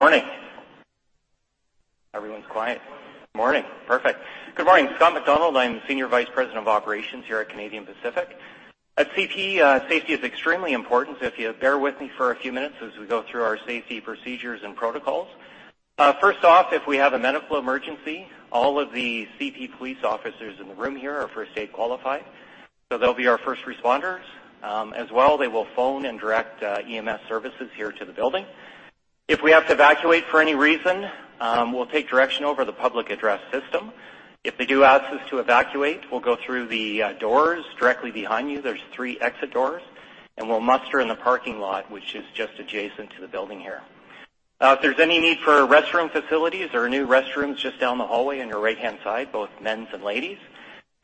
Morning! Everyone's quiet. Morning. Perfect. Good morning, Scott MacDonald. I'm the Senior Vice President of Operations here at Canadian Pacific. At CP, safety is extremely important, so if you bear with me for a few minutes as we go through our safety procedures and protocols. First off, if we have a medical emergency, all of the CP police officers in the room here are first aid qualified, so they'll be our first responders. As well, they will phone and direct, EMS services here to the building. If we have to evacuate for any reason, we'll take direction over the public address system. If they do ask us to evacuate, we'll go through the doors directly behind you. There's three exit doors, and we'll muster in the parking lot, which is just adjacent to the building here. If there's any need for restroom facilities, there are new restrooms just down the hallway on your right-hand side, both men's and ladies'.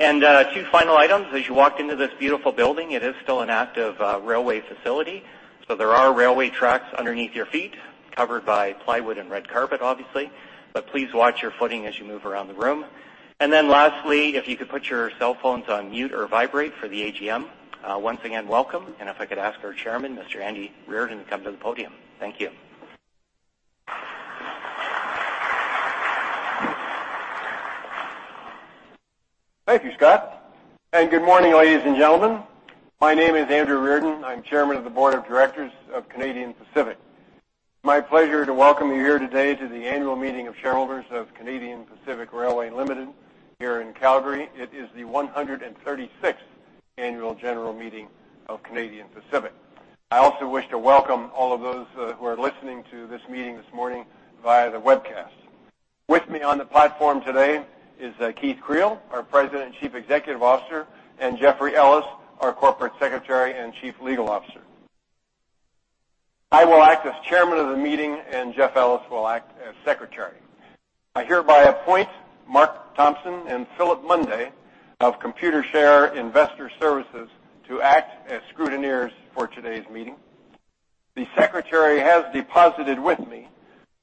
And two final items. As you walked into this beautiful building, it is still an active railway facility, so there are railway tracks underneath your feet, covered by plywood and red carpet, obviously. But please watch your footing as you move around the room. And then lastly, if you could put your cell phones on mute or vibrate for the AGM. Once again, welcome, and if I could ask our chairman, Mr. Andy Reardon, to come to the podium. Thank you. Thank you, Scott, and good morning, ladies and gentlemen. My name is Andrew Reardon. I'm Chairman of the Board of Directors of Canadian Pacific. It's my pleasure to welcome you here today to the annual meeting of shareholders of Canadian Pacific Railway Limited here in Calgary. It is the 136th annual general meeting of Canadian Pacific. I also wish to welcome all of those who are listening to this meeting this morning via the webcast. With me on the platform today is Keith Creel, our President and Chief Executive Officer, and Jeffrey Ellis, our Corporate Secretary and Chief Legal Officer. I will act as chairman of the meeting, and Jeff Ellis will act as secretary. I hereby appoint Mark Thompson and Phillip Munday of Computershare Investor Services to act as scrutineers for today's meeting. The secretary has deposited with me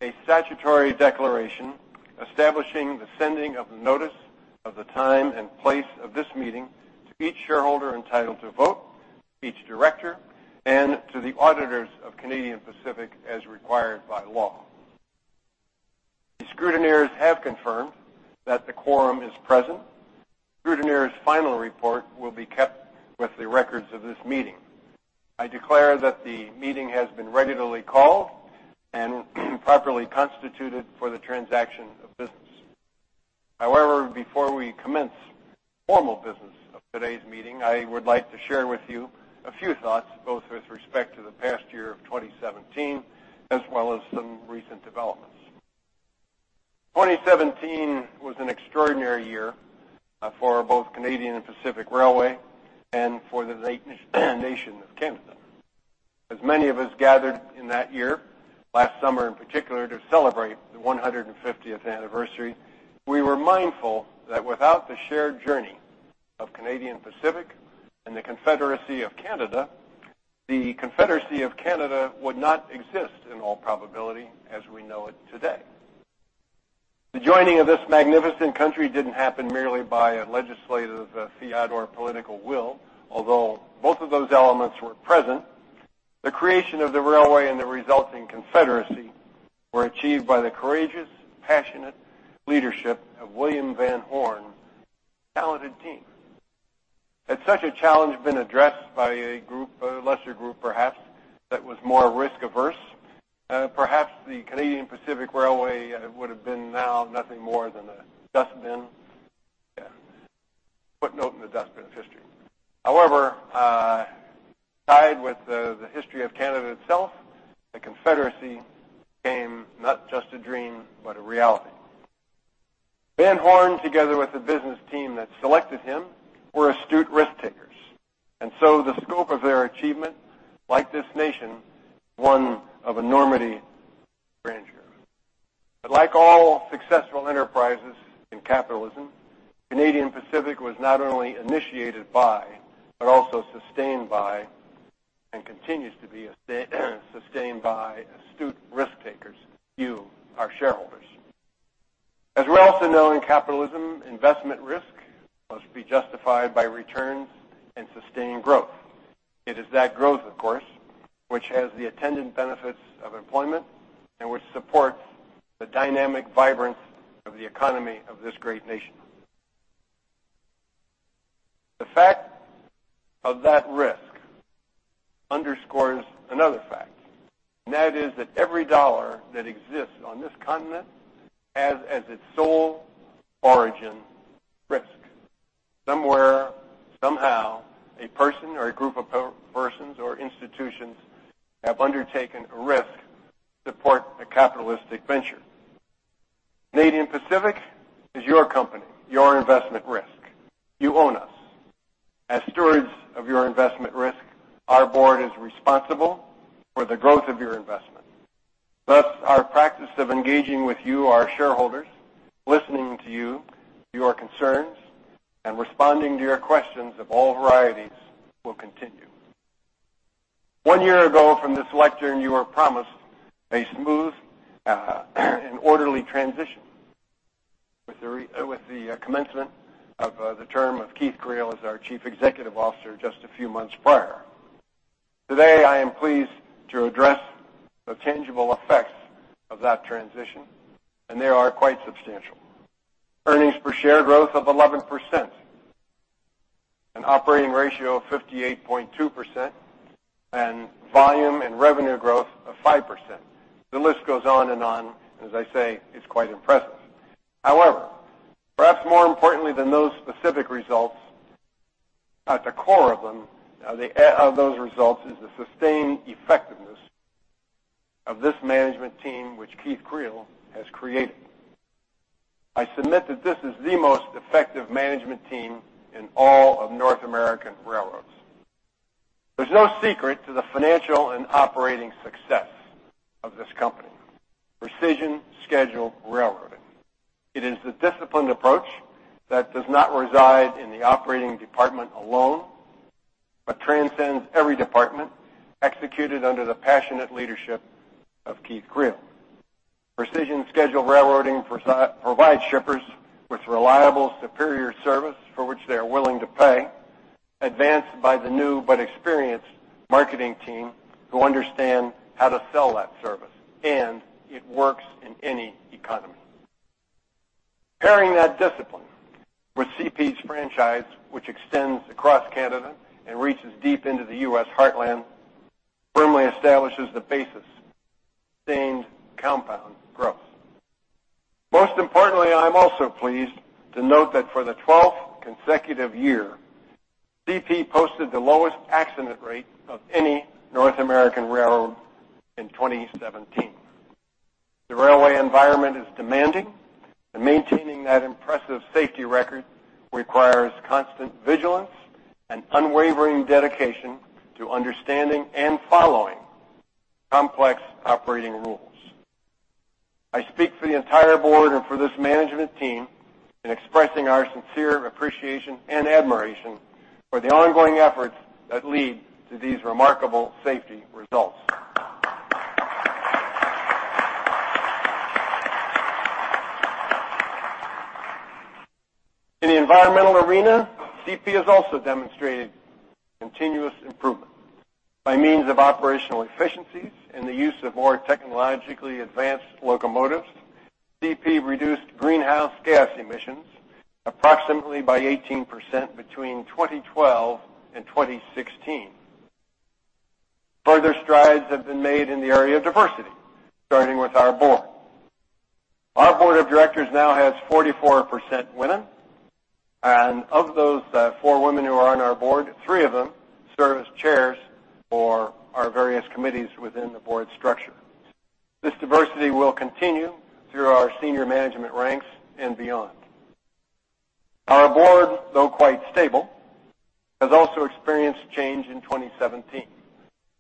a statutory declaration establishing the sending of notice of the time and place of this meeting to each shareholder entitled to vote, each director, and to the auditors of Canadian Pacific, as required by law. The scrutineers have confirmed that the quorum is present. Scrutineers' final report will be kept with the records of this meeting. I declare that the meeting has been regularly called and properly constituted for the transaction of business. However, before we commence the formal business of today's meeting, I would like to share with you a few thoughts, both with respect to the past year of 2017, as well as some recent developments. 2017 was an extraordinary year for both Canadian Pacific Railway and for the great nation of Canada. As many of us gathered in that year, last summer in particular, to celebrate the 150th anniversary, we were mindful that without the shared journey of Canadian Pacific and the Confederation of Canada, the Confederation of Canada would not exist, in all probability, as we know it today. The joining of this magnificent country didn't happen merely by a legislative fiat or political will, although both of those elements were present. The creation of the railway and the resulting confederation were achieved by the courageous, passionate leadership of William Van Horne's talented team. Had such a challenge been addressed by a group, a lesser group, perhaps, that was more risk-averse, perhaps the Canadian Pacific Railway would have been now nothing more than a dustbin. Yeah, footnote in the dustbin of history. However, tied with the history of Canada itself, the Confederacy became not just a dream, but a reality. Van Horne, together with the business team that selected him, were astute risk takers, and so the scope of their achievement, like this nation, one of enormity and grandeur. But like all successful enterprises in capitalism, Canadian Pacific was not only initiated by, but also sustained by, and continues to be sustained by astute risk takers, you, our shareholders. As we also know in capitalism, investment risk must be justified by returns and sustained growth. It is that growth, of course, which has the attendant benefits of employment and which supports the dynamic vibrance of the economy of this great nation. The fact of that risk underscores another fact, and that is that every dollar that exists on this continent has, as its sole origin, risk. Somewhere, somehow, a person or a group of persons or institutions have undertaken a risk to support a capitalistic venture. Canadian Pacific is your company, your investment risk. You own us. As stewards of your investment risk, our board is responsible for the growth of your investment. Thus, our practice of engaging with you, our shareholders, listening to your concerns, and responding to your questions of all varieties will continue. One year ago from this lectern, you were promised a smooth, an orderly transition with the commencement of the term of Keith Creel as our Chief Executive Officer just a few months prior. Today, I am pleased to address the tangible effects of that transition, and they are quite substantial. Earnings per share growth of 11%, an operating ratio of 58.2%, and volume and revenue growth of 5%. The list goes on and on, and as I say, it's quite impressive. However, perhaps more importantly than those specific results, at the core of them, the effectiveness of those results, is the sustained effectiveness of this management team, which Keith Creel has created. I submit that this is the most effective management team in all of North American railroads. There's no secret to the financial and operating success of this company: Precision Scheduled Railroading. It is the disciplined approach that does not reside in the operating department alone, but transcends every department, executed under the passionate leadership of Keith Creel. Precision Scheduled Railroading provides shippers with reliable, superior service for which they are willing to pay, advanced by the new but experienced marketing team, who understand how to sell that service, and it works in any economy. Pairing that discipline with CP's franchise, which extends across Canada and reaches deep into the U.S. heartland, firmly establishes the basis, sustained compound growth. Most importantly, I'm also pleased to note that for the twelfth consecutive year, CP posted the lowest accident rate of any North American railroad in 2017. The railway environment is demanding, and maintaining that impressive safety record requires constant vigilance and unwavering dedication to understanding and following complex operating rules. I speak for the entire board and for this management team in expressing our sincere appreciation and admiration for the ongoing efforts that lead to these remarkable safety results. In the environmental arena, CP has also demonstrated continuous improvement. By means of operational efficiencies and the use of more technologically advanced locomotives, CP reduced greenhouse gas emissions approximately by 18% between 2012 and 2016. Further strides have been made in the area of diversity, starting with our board. Our board of directors now has 44% women, and of those, four women who are on our board, three of them serve as chairs for our various committees within the board structure. This diversity will continue through our senior management ranks and beyond. Our board, though quite stable, has also experienced change in 2017.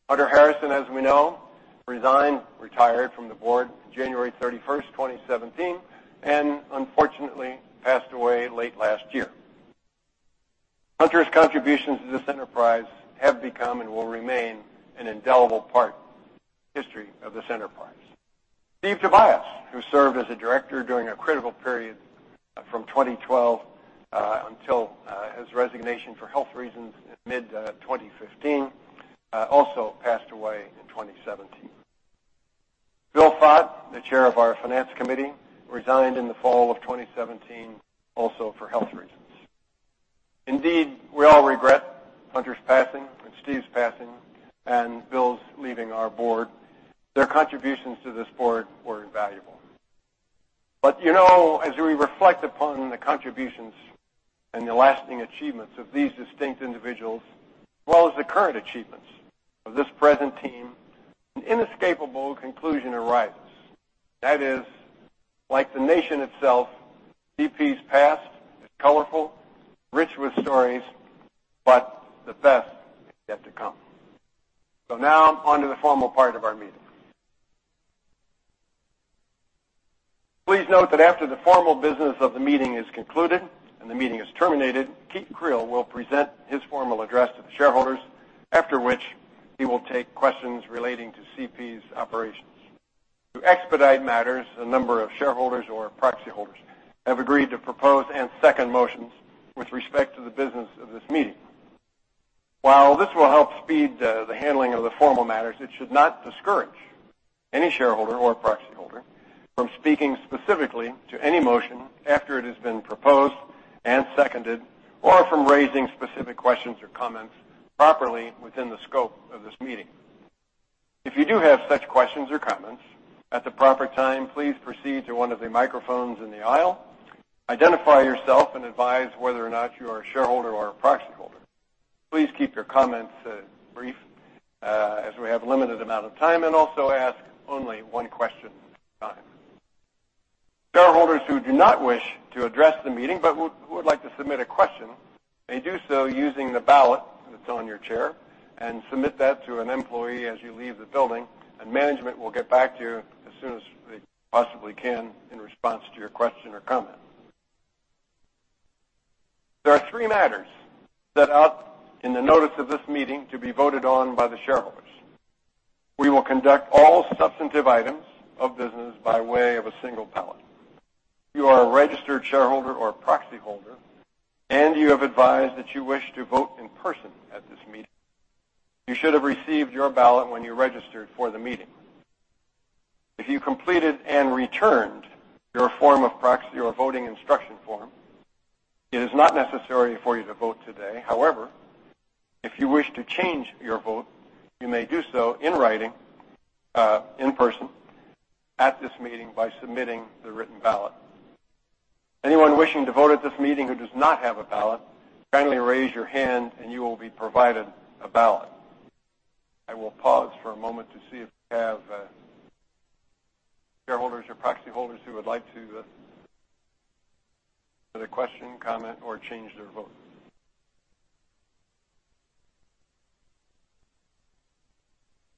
Hunter Harrison, as we know, resigned, retired from the board January 31st, 2017, and unfortunately passed away late last year. Hunter's contributions to this enterprise have become and will remain an indelible part, history of this enterprise. Steve Tobias, who served as a director during a critical period, from 2012 until his resignation for health reasons in mid 2015, also passed away in 2017. Bill Fatt, the Chair of our Finance Committee, resigned in the fall of 2017, also for health reasons. Indeed, we all regret Hunter Harrison's passing and Steve Tobias's passing, and Bill Fatt's leaving our board. Their contributions to this board were invaluable. But, you know, as we reflect upon the contributions and the lasting achievements of these distinct individuals, as well as the current achievements of this present team, an inescapable conclusion arrives. That is, like the nation itself, CP's past is colorful, rich with stories, but the best is yet to come. So now, on to the formal part of our meeting. Please note that after the formal business of the meeting is concluded and the meeting is terminated, Keith Creel will present his formal address to the shareholders, after which he will take questions relating to CP's operations. To expedite matters, a number of shareholders or proxy holders have agreed to propose and second motions with respect to the business of this meeting. While this will help speed the handling of the formal matters, it should not discourage any shareholder or proxyholder from speaking specifically to any motion after it has been proposed and seconded, or from raising specific questions or comments properly within the scope of this meeting. If you do have such questions or comments, at the proper time, please proceed to one of the microphones in the aisle, identify yourself, and advise whether or not you are a shareholder or a proxyholder. Please keep your comments brief, as we have limited amount of time, and also ask only one question at a time. Shareholders who do not wish to address the meeting, but would like to submit a question, may do so using the ballot that's on your chair, and submit that to an employee as you leave the building, and management will get back to you as soon as they possibly can in response to your question or comment. There are three matters set out in the notice of this meeting to be voted on by the shareholders. We will conduct all substantive items of business by way of a single ballot. If you are a registered shareholder or proxy holder, and you have advised that you wish to vote in person at this meeting, you should have received your ballot when you registered for the meeting. If you completed and returned your form of proxy or voting instruction form, it is not necessary for you to vote today. However, if you wish to change your vote, you may do so in writing, in person, at this meeting by submitting the written ballot. Anyone wishing to vote at this meeting who does not have a ballot, kindly raise your hand, and you will be provided a ballot. I will pause for a moment to see if we have shareholders or proxy holders who would like to have a question, comment, or change their vote.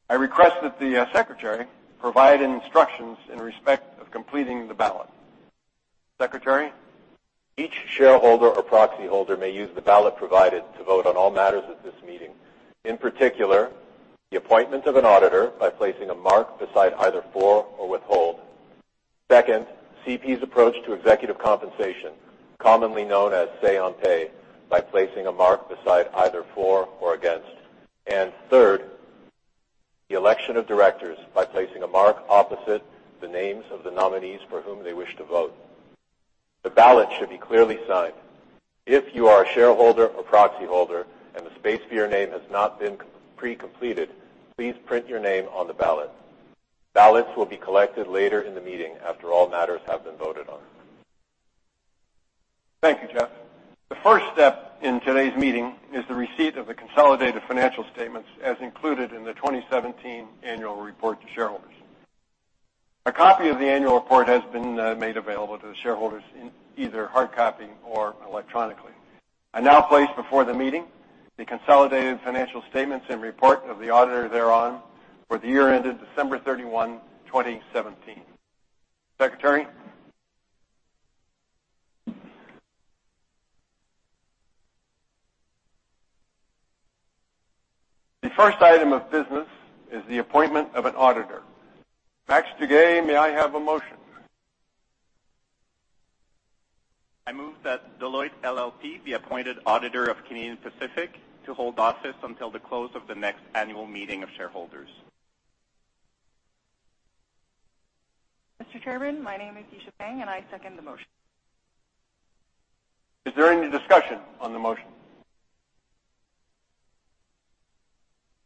I request that the secretary provide instructions in respect of completing the ballot. Secretary? Each shareholder or proxy holder may use the ballot provided to vote on all matters at this meeting. In particular, the appointment of an auditor by placing a mark beside either for or withhold. Second, CP's approach to executive compensation, commonly known as say on pay, by placing a mark beside either for or against. And third, the election of directors by placing a mark opposite the names of the nominees for whom they wish to vote. The ballot should be clearly signed. If you are a shareholder or proxy holder, and the space for your name has not been pre-completed, please print your name on the ballot. Ballots will be collected later in the meeting after all matters have been voted on. Thank you, Jeff. The first step in today's meeting is the receipt of the consolidated financial statements, as included in the 2017 annual report to shareholders. A copy of the annual report has been made available to the shareholders in either hard copy or electronically. I now place before the meeting the consolidated financial statements and report of the auditor thereon for the year ended December 31, 2017. Secretary? The first item of business is the appointment of an auditor. Max Duguay, may I have a motion? I move that Deloitte LLP be appointed auditor of Canadian Pacific to hold office until the close of the next annual meeting of shareholders. Mr. Chairman, my name is Yisha Pang, and I second the motion. Is there any discussion on the motion?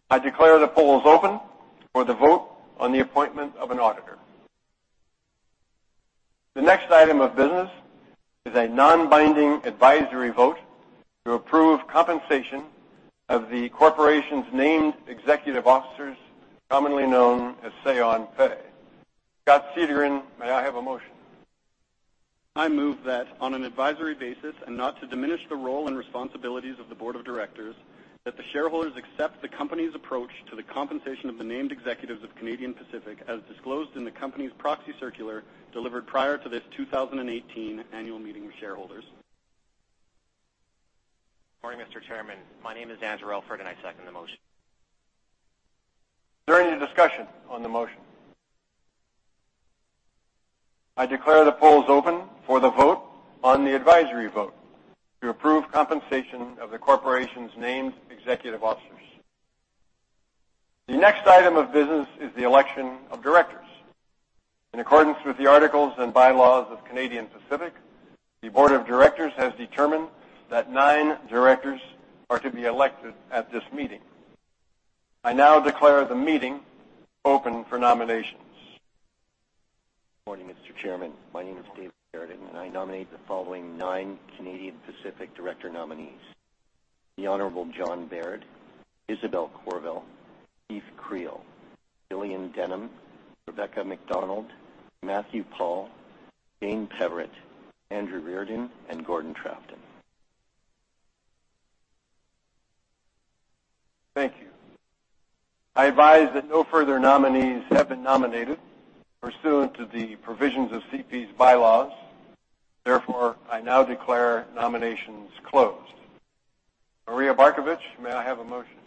I declare the polls open for the vote on the appointment of an auditor. The next item of business is a non-binding advisory vote to approve compensation of the corporation's named executive officers, commonly known as Say on Pay. Scott [Cedrin], may I have a motion? I move that on an advisory basis and not to diminish the role and responsibilities of the board of directors, that the shareholders accept the company's approach to the compensation of the named executives of Canadian Pacific, as disclosed in the company's proxy circular, delivered prior to this 2018 annual meeting of shareholders. Good morning, Mr. Chairman. My name is Andrew Alfred, and I second the motion. Is there any discussion on the motion? I declare the polls open for the vote on the advisory vote to approve compensation of the corporation's named executive officers. The next item of business is the election of directors. In accordance with the articles and bylaws of Canadian Pacific, the board of directors has determined that nine directors are to be elected at this meeting. I now declare the meeting open for nominations. Good morning, Mr. Chairman. My name is David Garrett, and I nominate the following nine Canadian Pacific director nominees: the Honorable John Baird, Isabelle Courville, Keith Creel, Gillian Denham, Rebecca MacDonald, Matthew Paull, Jane Peverett, Andrew Reardon, and Gordon Trafton. Thank you. I advise that no further nominees have been nominated pursuant to the provisions of CP's bylaws. Therefore, I now declare nominations closed. Maria Barkovich, may I have a motion?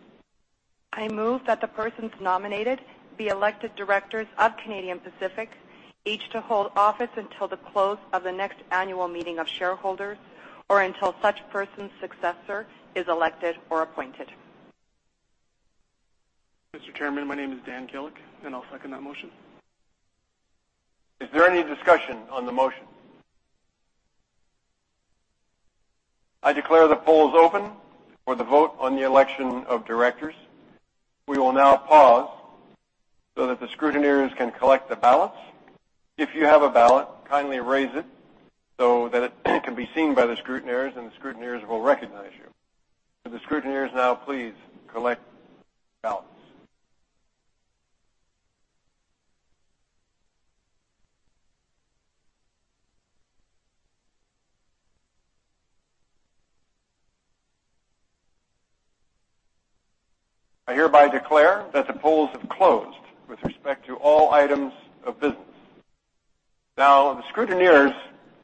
I move that the persons nominated be elected directors of Canadian Pacific, each to hold office until the close of the next annual meeting of shareholders or until such person's successor is elected or appointed. Mr. Chairman, my name is Dan Gillick, and I'll second that motion. Is there any discussion on the motion? I declare the polls open for the vote on the election of directors. We will now pause so that the scrutineers can collect the ballots. If you have a ballot, kindly raise it so that it can be seen by the scrutineers, and the scrutineers will recognize you. Will the scrutineers now please collect ballots? I hereby declare that the polls have closed with respect to all items of business. Now, the scrutineers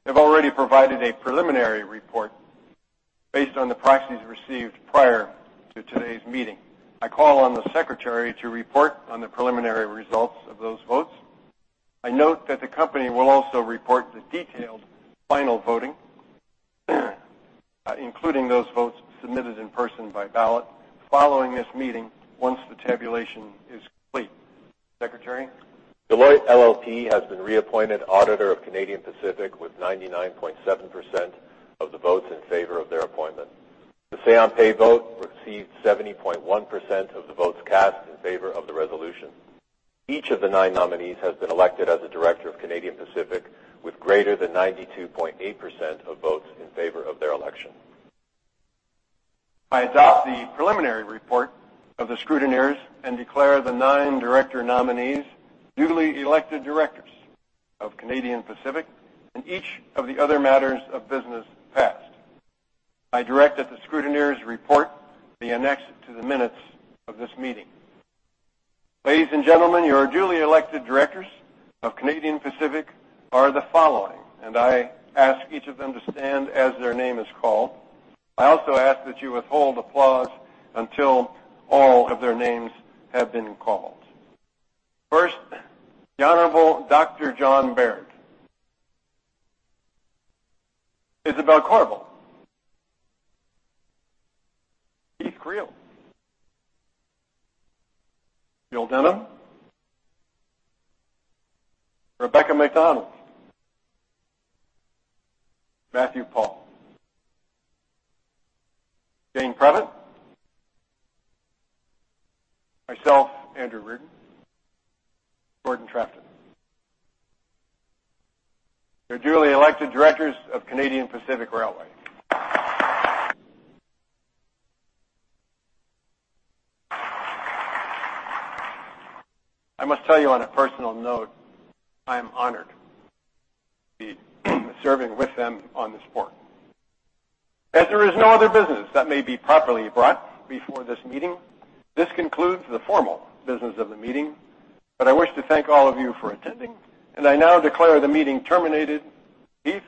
have already provided a preliminary report based on the proxies received prior to today's meeting. I call on the secretary to report on the preliminary results of those votes. I note that the company will also report the detailed final voting, including those votes submitted in person by ballot following this meeting, once the tabulation is complete. Secretary? Deloitte LLP has been reappointed auditor of Canadian Pacific with 99.7% of the votes in favor of their appointment. The Say on Pay vote received 70.1% of the votes cast in favor of the resolution. Each of the nine nominees has been elected as a director of Canadian Pacific, with greater than 92.8% of votes in favor of their election. I adopt the preliminary report of the scrutineers and declare the nine director nominees duly elected directors of Canadian Pacific, and each of the other matters of business passed. I direct that the scrutineers report be annexed to the minutes of this meeting. Ladies and gentlemen, your duly elected directors of Canadian Pacific are the following, and I ask each of them to stand as their name is called. I also ask that you withhold applause until all of their names have been called. First, the Honorable Dr. John Baird. Isabelle Courville. Keith Creel. Gillian Denham. Rebecca MacDonald. Matthew Paull. Jane Peverett. Myself, Andrew Reardon. Gordon Trafton. Your duly elected directors of Canadian Pacific Railway. I must tell you on a personal note, I am honored to be serving with them on this board. As there is no other business that may be properly brought before this meeting, this concludes the formal business of the meeting, but I wish to thank all of you for attending, and I now declare the meeting terminated. Keith,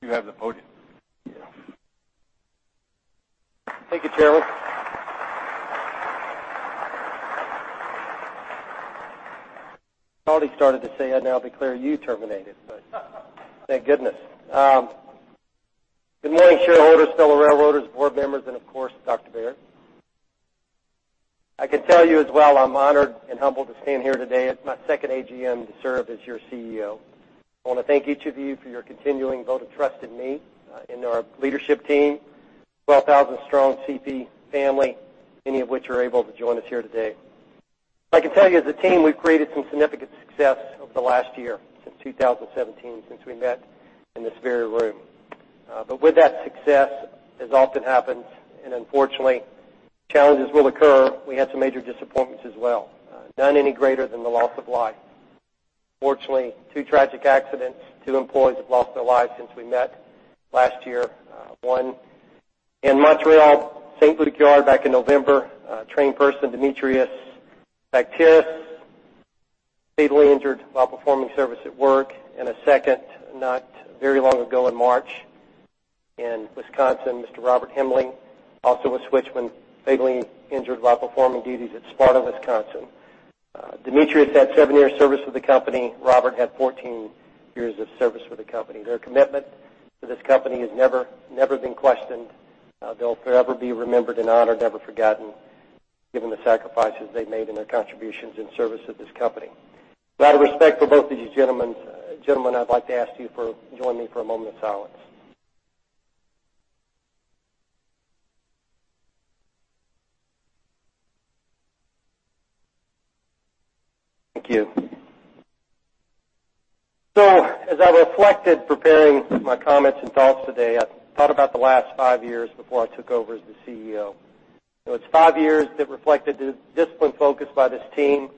you have the podium. Thank you, Chairman. I already started to say, I now declare you terminated, but thank goodness. Good morning, shareholders, fellow railroaders, board members, and of course, Dr. Baird. I can tell you as well, I'm honored and humbled to stand here today. It's my second AGM to serve as your CEO. I want to thank each of you for your continuing vote of trust in me, in our leadership team, 12,000 strong CP family, many of which are able to join us here today. I can tell you, as a team, we've created some significant success over the last year, since 2017, since we met in this very room. But with that success, as often happens, and unfortunately, challenges will occur, we had some major disappointments as well. None any greater than the loss of life. Unfortunately, two tragic accidents, two employees have lost their lives since we met last year. One in Montreal, St-Luc Yard, back in November, train person, Dimitrios Bakirtzis, fatally injured while performing service at work, and a second, not very long ago in March, in Wisconsin, Mr. Robert Hamling, also a switchman, fatally injured while performing duties at Sparta, Wisconsin. Dimitrios had seven years service with the company. Robert had 14 years of service with the company. Their commitment to this company has never, never been questioned. They'll forever be remembered and honored, never forgotten, given the sacrifices they made and their contributions in service of this company. Out of respect for both these gentlemen, gentlemen, I'd like to ask you to join me for a moment of silence. Thank you. So as I reflected, preparing my comments and thoughts today, I thought about the last five years before I took over as the CEO. It was five years that reflected the disciplined focus by this team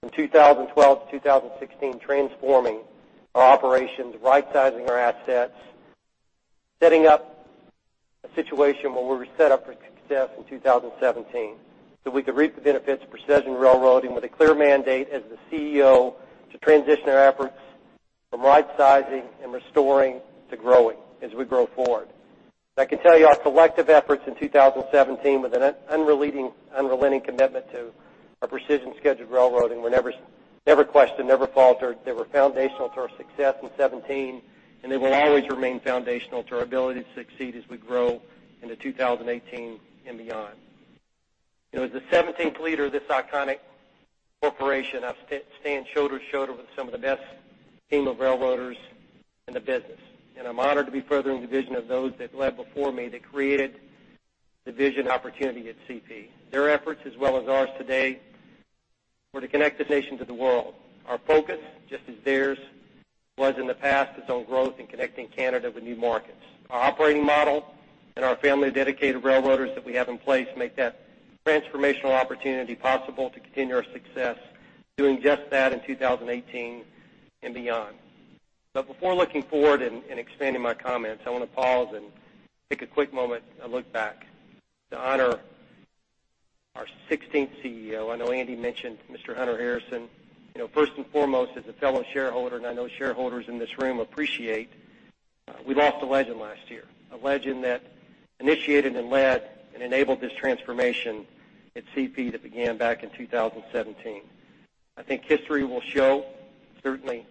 from 2012 to 2016, transforming our operations, rightsizing our assets, setting up a situation where we were set up for success in 2017, so we could reap the benefits of Precision Scheduled Railroading with a clear mandate as the CEO to transition our efforts from rightsizing and restoring to growing as we grow forward. I can tell you our collective efforts in 2017, with an unrelieving, unrelenting commitment to our Precision Scheduled Railroading, were never, never questioned, never faltered. They were foundational to our success in 2017, and they will always remain foundational to our ability to succeed as we grow into 2018 and beyond. You know, as the 17th leader of this iconic corporation, I stand shoulder to shoulder with some of the best team of railroaders in the business, and I'm honored to be furthering the vision of those that led before me, that created the vision and opportunity at CP. Their efforts, as well as ours today, were to connect the nation to the world. Our focus, just as theirs was in the past, is on growth and connecting Canada with new markets. Our operating model and our family of dedicated railroaders that we have in place make that transformational opportunity possible to continue our success, doing just that in 2018 and beyond. But before looking forward and, and expanding my comments, I want to pause and take a quick moment and look back to honor our 16th CEO. I know Andy mentioned Mr. Hunter Harrison. You know, first and foremost, as a fellow shareholder, and I know shareholders in this room appreciate, we lost a legend last year, a legend that initiated and led and enabled this transformation at CP that began back in 2017. I think history will show, certainly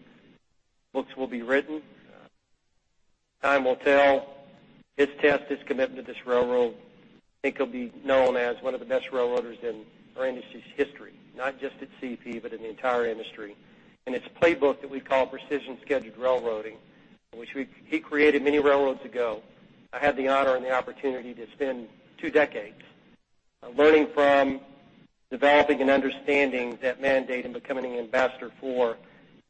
books will be written, time will tell, his test, his commitment to this railroad, I think he'll be known as one of the best railroaders in our industry's history, not just at CP, but in the entire industry. And it's a playbook that we call Precision Scheduled Railroading, which we- he created many railroads ago. I had the honor and the opportunity to spend two decades learning from, developing and understanding that mandate and becoming an ambassador for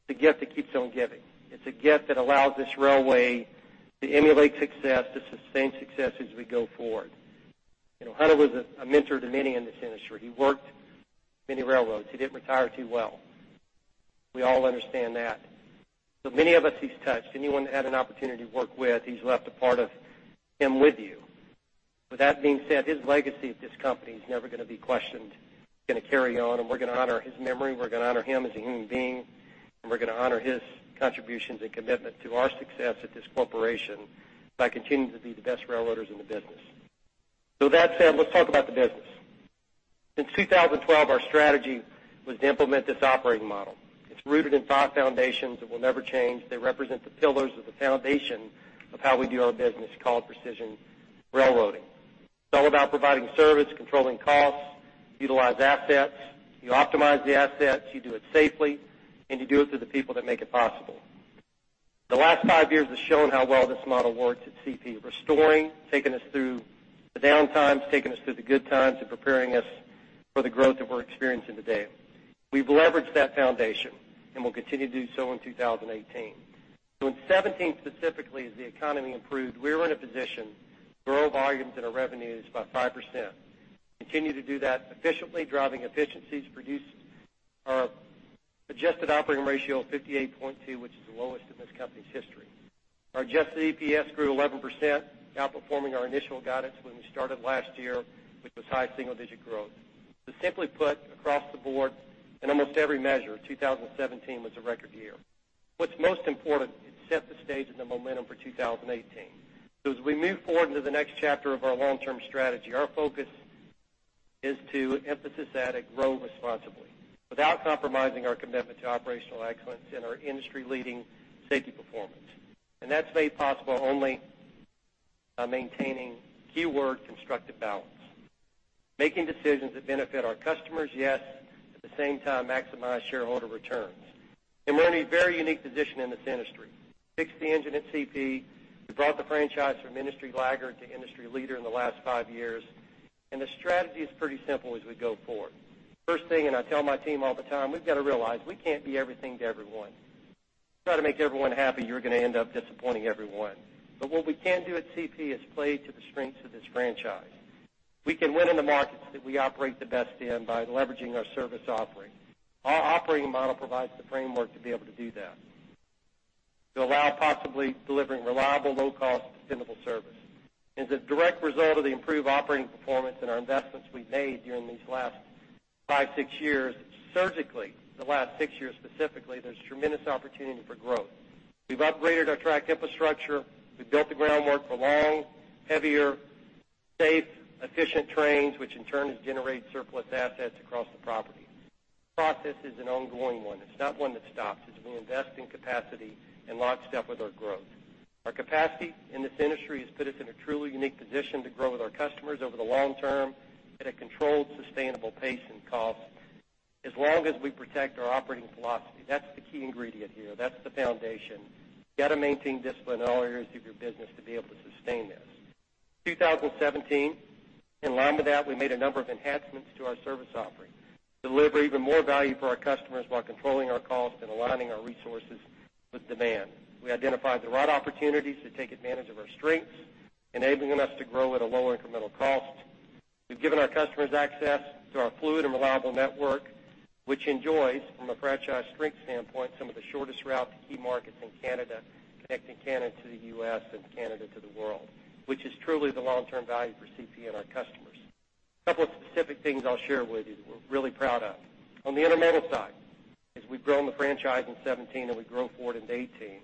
the gift that keeps on giving. It's a gift that allows this railway to emulate success, to sustain success as we go forward. You know, Hunter was a mentor to many in this industry. He worked many railroads. He didn't retire too well. We all understand that. So many of us he's touched. Anyone he had an opportunity to work with, he's left a part of him with you. With that being said, his legacy at this company is never going to be questioned. It's going to carry on, and we're going to honor his memory, we're going to honor him as a human being, and we're going to honor his contributions and commitment to our success at this corporation by continuing to be the best railroaders in the business. So with that said, let's talk about the business. Since 2012, our strategy was to implement this operating model. It's rooted in thought foundations that will never change. They represent the pillars of the foundation of how we do our business, called precision railroading. It's all about providing service, controlling costs, utilize assets. You optimize the assets, you do it safely, and you do it through the people that make it possible. The last five years has shown how well this model works at CP, restoring, taking us through the downtimes, taking us through the good times, and preparing us for the growth that we're experiencing today. We've leveraged that foundation, and we'll continue to do so in 2018. So in 2017, specifically, as the economy improved, we were in a position to grow volumes in our revenues by 5%. Continue to do that efficiently, driving efficiencies, produce our Adjusted Operating Ratio of 58.2, which is the lowest in this company's history. Our Adjusted EPS grew 11%, outperforming our initial guidance when we started last year, which was high single-digit growth. So simply put, across the board, in almost every measure, 2017 was a record year. What's most important, it set the stage and the momentum for 2018. So as we move forward into the next chapter of our long-term strategy, our focus is to emphasize that and grow responsibly, without compromising our commitment to operational excellence and our industry-leading safety performance. And that's made possible only by maintaining, keyword, constructive balance, making decisions that benefit our customers, yet at the same time, maximize shareholder returns. And we're in a very unique position in this industry. Fixed the engine at CP. We brought the franchise from industry laggard to industry leader in the last five years, and the strategy is pretty simple as we go forward. First thing, and I tell my team all the time, we've got to realize we can't be everything to everyone. If you try to make everyone happy, you're going to end up disappointing everyone. But what we can do at CP is play to the strengths of this franchise. We can win in the markets that we operate the best in by leveraging our service offering. Our operating model provides the framework to be able to do that, to allow possibly delivering reliable, low cost, sustainable service. As a direct result of the improved operating performance and our investments we've made during these last 5-6 years, surgically, the last six years specifically, there's tremendous opportunity for growth. We've upgraded our track infrastructure. We've built the groundwork for long, heavier, safe, efficient trains, which in turn, has generated surplus assets across the property. Process is an ongoing one. It's not one that stops. As we invest in capacity in lockstep with our growth. Our capacity in this industry has put us in a truly unique position to grow with our customers over the long term at a controlled, sustainable pace and cost. As long as we protect our operating philosophy, that's the key ingredient here. That's the foundation. You got to maintain discipline in all areas of your business to be able to sustain this. 2017, in line with that, we made a number of enhancements to our service offering, deliver even more value for our customers while controlling our costs and aligning our resources with demand. We identified the right opportunities to take advantage of our strengths, enabling us to grow at a lower incremental cost. We've given our customers access to our fluid and reliable network, which enjoys, from a franchise strength standpoint, some of the shortest routes to key markets in Canada, connecting Canada to the U.S. and Canada to the world, which is truly the long-term value for CP and our customers. A couple of specific things I'll share with you that we're really proud of. On the intermodal side, as we've grown the franchise in 2017, and we grow forward into 2018,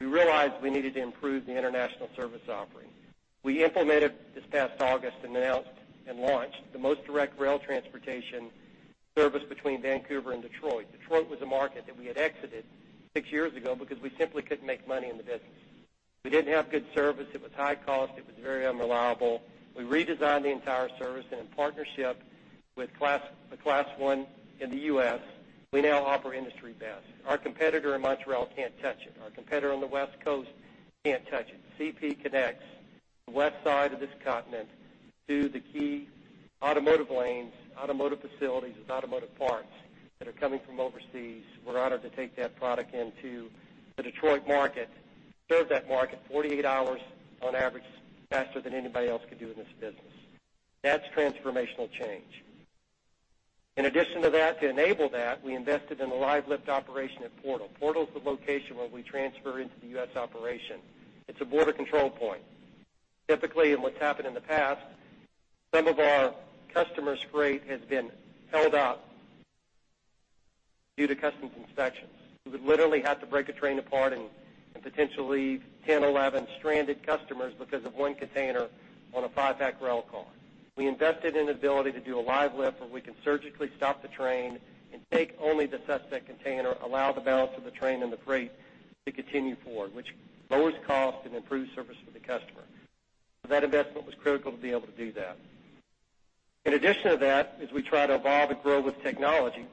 we realized we needed to improve the international service offering. We implemented this past August and announced and launched the most direct rail transportation service between Vancouver and Detroit. Detroit was a market that we had exited six years ago because we simply couldn't make money in the business. We didn't have good service. It was high cost. It was very unreliable. We redesigned the entire service, and in partnership with Class I in the U.S., we now offer industry best. Our competitor in Montreal can't touch it. Our competitor on the West Coast can't touch it. CP connects the west side of this continent to the key automotive lanes, automotive facilities, and automotive parts that are coming from overseas. We're honored to take that product into the Detroit market, serve that market 48 hours on average, faster than anybody else can do in this business. That's transformational change. In addition to that, to enable that, we invested in a live lift operation at Portal. Portal is the location where we transfer into the U.S. operation. It's a border control point. Typically, and what's happened in the past, some of our customers' freight has been held up due to customs inspections. We would literally have to break a train apart and potentially leave 10-11 stranded customers because of one container on a five-pack rail car. We invested in the ability to do a Live Lift, where we can surgically stop the train and take only the suspect container, allow the balance of the train and the freight to continue forward, which lowers cost and improves service for the customer. That investment was critical to be able to do that. In addition to that, as we try to evolve and grow with technology,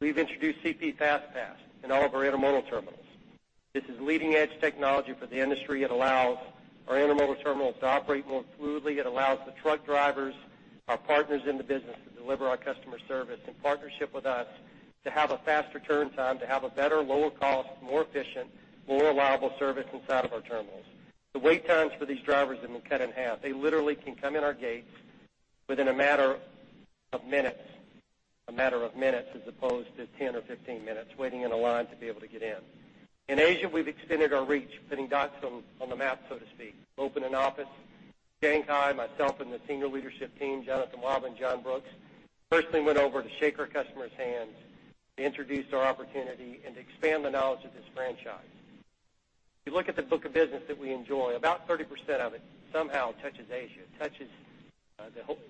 we've introduced CP FastPass in all of our intermodal terminals. This is leading-edge technology for the industry. It allows our intermodal terminals to operate more smoothly. It allows the truck drivers, our partners in the business, to deliver our customer service in partnership with us, to have a faster turn time, to have a better, lower cost, more efficient, more reliable service inside of our terminals. The wait times for these drivers have been cut in half. They literally can come in our gates within a matter of minutes, a matter of minutes, as opposed to 10 or 15 minutes waiting in a line to be able to get in. In Asia, we've extended our reach, putting dots on the map, so to speak, opened an office. Shanghai, myself, and the senior leadership team, Jonathan Wahba and John Brooks, personally went over to shake our customers' hands, to introduce our opportunity, and to expand the knowledge of this franchise. If you look at the book of business that we enjoy, about 30% of it somehow touches Asia, touches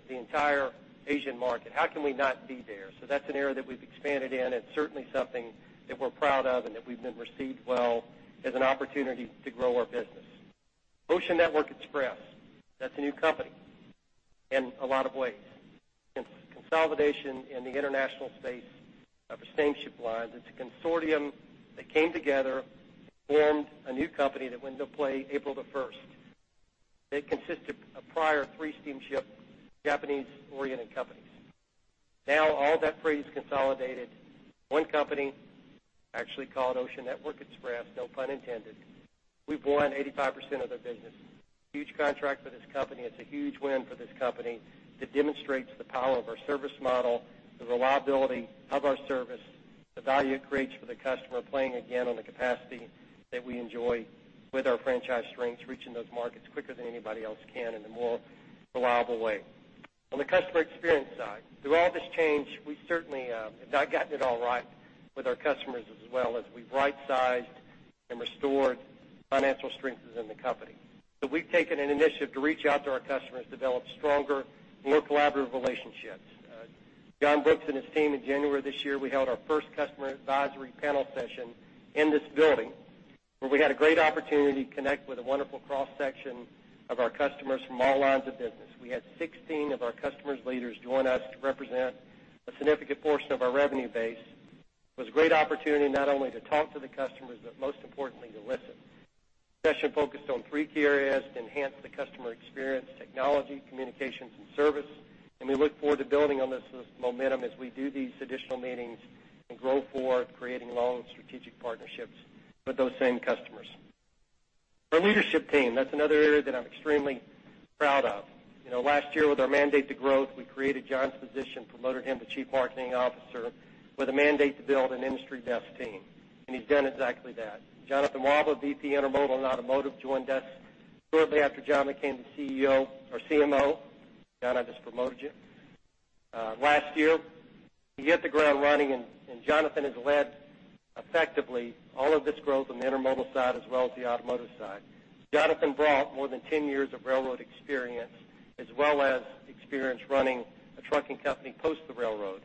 the entire Asian market. How can we not be there? So that's an area that we've expanded in, and certainly something that we're proud of and that we've been received well as an opportunity to grow our business. Ocean Network Express, that's a new company in a lot of ways. Since consolidation in the international space of steamship lines, it's a consortium that came together, formed a new company that went into play April the first. They consist of a prior three steamship, Japanese-oriented companies. Now, all that freight is consolidated. One company actually called Ocean Network Express, no pun intended. We've won 85% of their business. Huge contract for this company. It's a huge win for this company. It demonstrates the power of our service model, the reliability of our service, the value it creates for the customer, playing again on the capacity that we enjoy with our franchise strengths, reaching those markets quicker than anybody else can in a more reliable way. On the customer experience side, through all this change, we certainly have not gotten it all right with our customers as well as we've right-sized and restored financial strengths within the company. So we've taken an initiative to reach out to our customers, develop stronger, more collaborative relationships. John Brooks and his team, in January this year, we held our first customer advisory panel session in this building, where we had a great opportunity to connect with a wonderful cross-section of our customers from all lines of business. We had 16 of our customers' leaders join us to represent a significant portion of our revenue base. It was a great opportunity not only to talk to the customers, but most importantly, to listen. Session focused on three key areas to enhance the customer experience: technology, communications, and service. We look forward to building on this momentum as we do these additional meetings and grow for creating long strategic partnerships with those same customers. Our leadership team, that's another area that I'm extremely proud of. You know, last year, with our mandate to growth, we created John's position, promoted him to Chief Marketing Officer with a mandate to build an industry-best team, and he's done exactly that. Jonathan Wahba, VP, Intermodal and Automotive, joined us shortly after John became the CEO or CMO. John, I just promoted you last year. He hit the ground running, and Jonathan has led effectively all of this growth on the intermodal side as well as the automotive side. Jonathan brought more than 10 years of railroad experience, as well as experience running a trucking company post the railroad.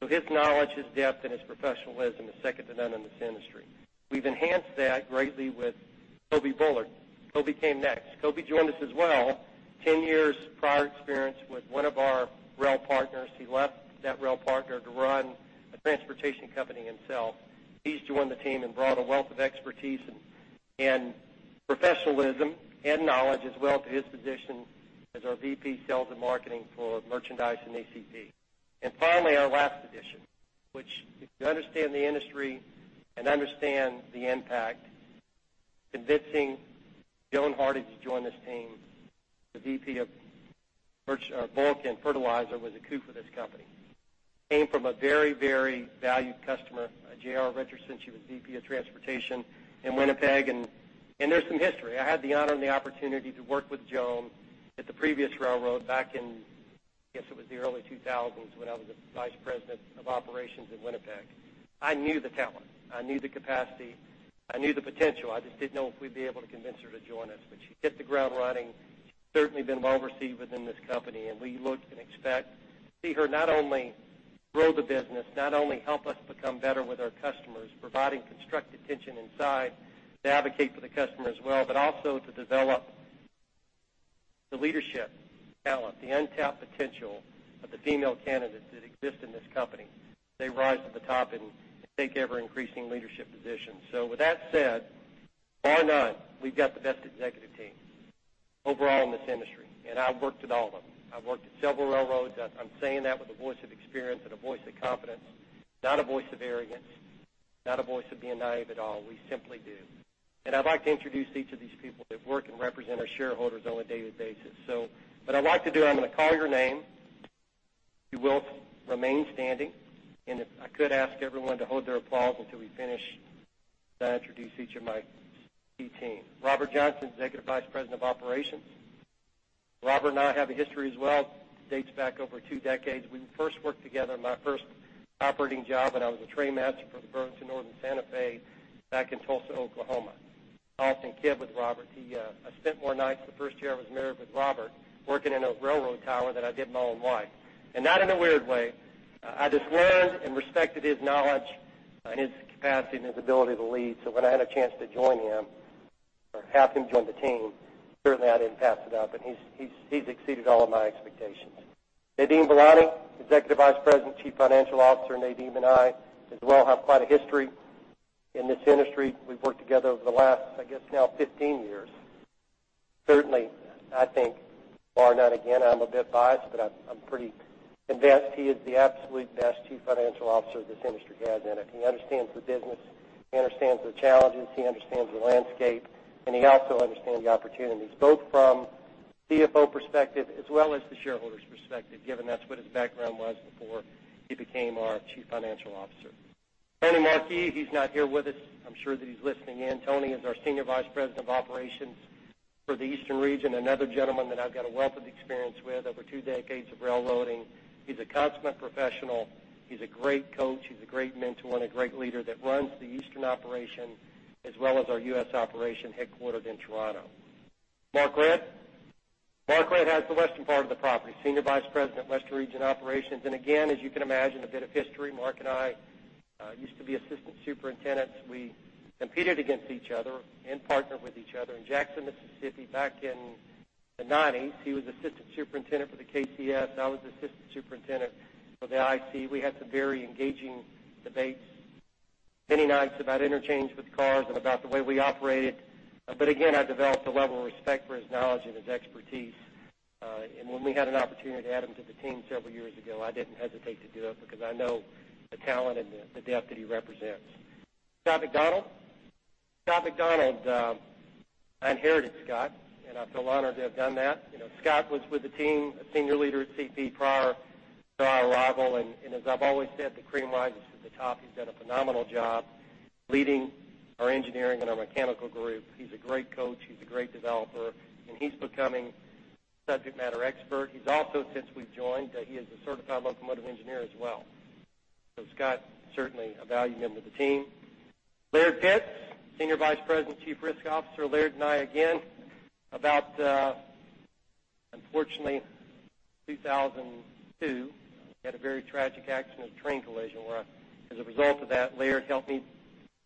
So his knowledge, his depth, and his professionalism is second to none in this industry. We've enhanced that greatly with Coby Bullard. Coby came next. Coby joined us as well, 10 years prior experience with one of our rail partners. He left that rail partner to run a transportation company himself. He's joined the team and brought a wealth of expertise and, and professionalism and knowledge as well to his position as our VP, Sales and Marketing for Merchandise and ECP. And finally, our last addition, which if you understand the industry and understand the impact, convincing Joan Hardy to join this team, the VP of Merch, Bulk and Fertilizer, was a coup for this company. Came from a very, very valued customer, J.R. Richardson. She was VP of Transportation in Winnipeg, and, and there's some history. I had the honor and the opportunity to work with Joan at the previous railroad back in, I guess, it was the early 2000s, when I was the Vice President of Operations in Winnipeg. I knew the talent, I knew the capacity, I knew the potential. I just didn't know if we'd be able to convince her to join us, but she hit the ground running. She's certainly been well received within this company, and we look and expect to see her not only grow the business, not only help us become better with our customers, providing constructive tension inside to advocate for the customer as well, but also to develop the leadership talent, the untapped potential of the female candidates that exist in this company. They rise to the top and take ever-increasing leadership positions. So with that said, why not? We've got the best executive team overall in this industry, and I've worked at all of them. I've worked at several railroads. I'm saying that with a voice of experience and a voice of confidence, not a voice of arrogance. Not a voice of being naive at all, we simply do. And I'd like to introduce each of these people that work and represent our shareholders on a daily basis. So what I'd like to do, I'm gonna call your name. You will remain standing, and if I could ask everyone to hold their applause until we finish, as I introduce each of my key team. Robert Johnson, Executive Vice President of Operations. Robert and I have a history as well, dates back over two decades. We first worked together on my first operating job, and I was a train master for the Burlington Northern Santa Fe back in Tulsa, Oklahoma. I often kid with Robert, he, I spent more nights the first year I was married with Robert, working in a railroad tower than I did my own wife, and not in a weird way. I just learned and respected his knowledge and his capacity and his ability to lead. So when I had a chance to join him or have him join the team, certainly I didn't pass it up, and he's exceeded all of my expectations. Nadeem Velani, Executive Vice President, Chief Financial Officer. Nadeem and I, as well, have quite a history in this industry. We've worked together over the last, I guess, now 15 years. Certainly, I think, bar none, again, I'm a bit biased, but I'm, I'm pretty convinced he is the absolute best Chief Financial Officer this industry has in it. He understands the business, he understands the challenges, he understands the landscape, and he also understands the opportunities, both from CFO perspective as well as the shareholder's perspective, given that's what his background was before he became our Chief Financial Officer. Tony Marquis, he's not here with us. I'm sure that he's listening in. Tony is our Senior Vice President of Operations for the Eastern region, another gentleman that I've got a wealth of experience with, over two decades of railroading. He's a consummate professional, he's a great coach, he's a great mentor, and a great leader that runs the Eastern operation, as well as our U.S. operation, headquartered in Toronto. Mark Redd. Mark Redd has the western part of the property, Senior Vice President, Western Region Operations, and again, as you can imagine, a bit of history. Mark and I used to be assistant superintendents. We competed against each other and partnered with each other in Jackson, Mississippi, back in the 1990s. He was assistant superintendent for the KCS. I was assistant superintendent for the IC. We had some very engaging debates, many nights about interchange with cars and about the way we operated. But again, I developed a level of respect for his knowledge and his expertise, and when we had an opportunity to add him to the team several years ago, I didn't hesitate to do it because I know the talent and the, the depth that he represents. Scott MacDonald. Scott MacDonald, I inherited Scott, and I feel honored to have done that. You know, Scott was with the team, a senior leader at CP prior to our arrival, and, and as I've always said, the cream rises to the top. He's done a phenomenal job leading our engineering and our mechanical group. He's a great coach, he's a great developer, and he's becoming subject matter expert. He's also, since we've joined, he is a certified locomotive engineer as well. So Scott, certainly a valued member of the team. Laird Pitz, Senior Vice President and Chief Risk Officer. Laird and I, again, about, unfortunately, 2002, had a very tragic accident, a train collision, where as a result of that, Laird helped me